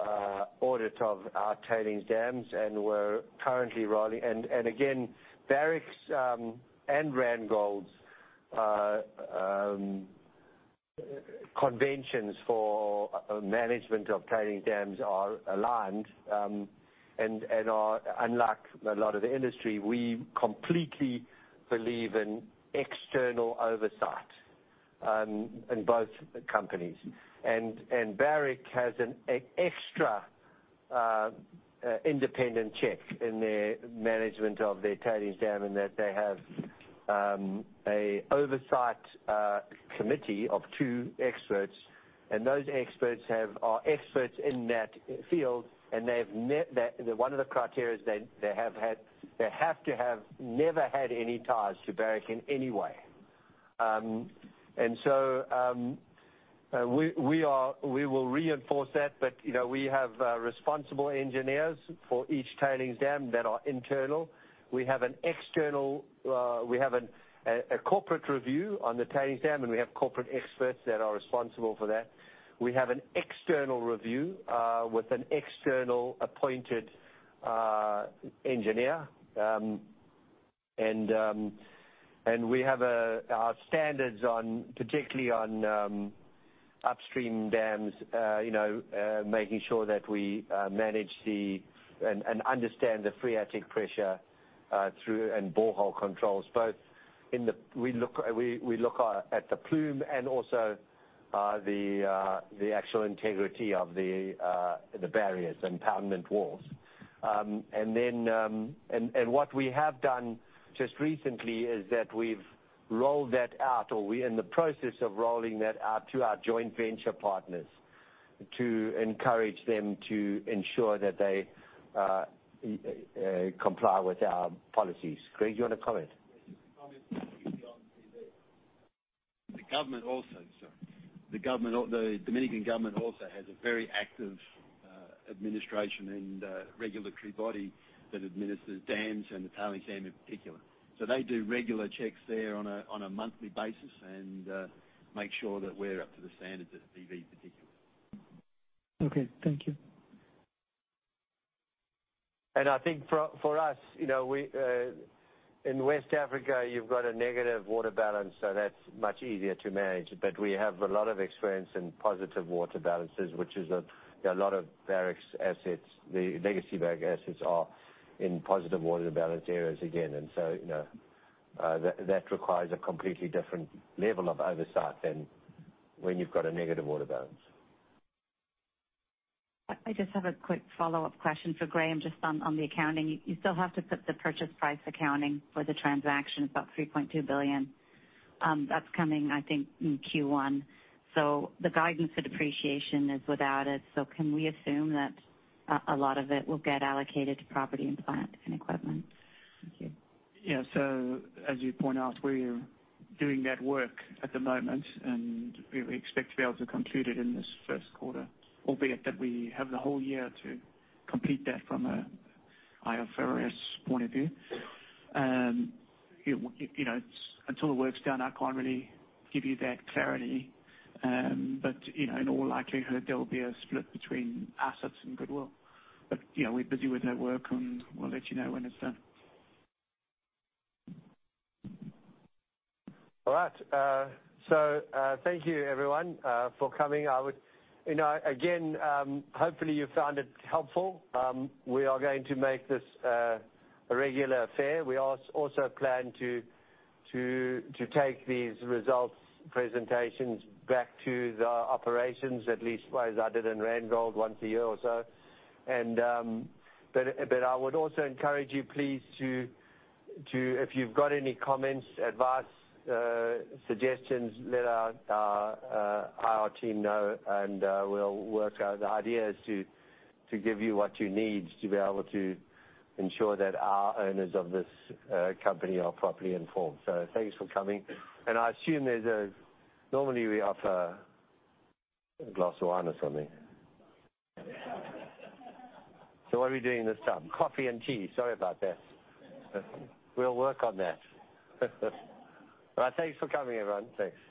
audit of our tailings dams, we're currently rolling. Again, Barrick's and Randgold's conventions for management of tailings dams are aligned and are unlike a lot of the industry. We completely believe in external oversight in both companies. Barrick has an extra independent check in their management of their tailings dam, in that they have an oversight committee of 2 experts, and those experts are experts in that field, and one of the criteria is they have to have never had any ties to Barrick in any way. We will reinforce that. We have responsible engineers for each tailings dam that are internal. We have a corporate review on the tailings dam, and we have corporate experts that are responsible for that. We have an external review with an external appointed engineer. We have our standards, particularly on upstream dams, making sure that we manage and understand the phreatic pressure through, and borehole controls both in. We look at the plume and also the actual integrity of the barriers and poundment walls. What we have done just recently is that we've rolled that out, or we're in the process of rolling that out to our joint venture partners to encourage them to ensure that they comply with our policies. Craig, you want to comment? Comment on PV. The Dominican government also has a very active administration and regulatory body that administers dams and the tailings dam in particular. They do regular checks there on a monthly basis and make sure that we're up to the standards at BV in particular. Okay, thank you. I think for us, in West Africa you've got a negative water balance, that's much easier to manage. We have a lot of experience in positive water balances, which is a lot of Barrick's assets. The legacy Barrick assets are in positive water balance areas again, that requires a completely different level of oversight than when you've got a negative water balance. I just have a quick follow-up question for Graham, just on the accounting. You still have to put the purchase price accounting for the transaction, about $3.2 billion. That's coming, I think, in Q1. The guidance for depreciation is without it. Can we assume that a lot of it will get allocated to property and plant and equipment? Thank you. As you point out, we're doing that work at the moment, and we expect to be able to conclude it in this first quarter, albeit that we have the whole year to complete that from an IFRS point of view. Until the work's done, I can't really give you that clarity, in all likelihood, there will be a split between assets and goodwill. We're busy with that work, and we'll let you know when it's done. Thank you everyone for coming. Again, hopefully you found it helpful. We are going to make this a regular affair. We also plan to take these results presentations back to the operations, at least as I did in Randgold once a year or so. I would also encourage you please to, if you've got any comments, advice, suggestions, let our IR team know and we'll work out. The idea is to give you what you need to be able to ensure that our owners of this company are properly informed. Thanks for coming, and I assume there's normally we offer a glass of wine or something. What are we doing this time? Coffee and tea. Sorry about that. We'll work on that. Thanks for coming, everyone. Thanks.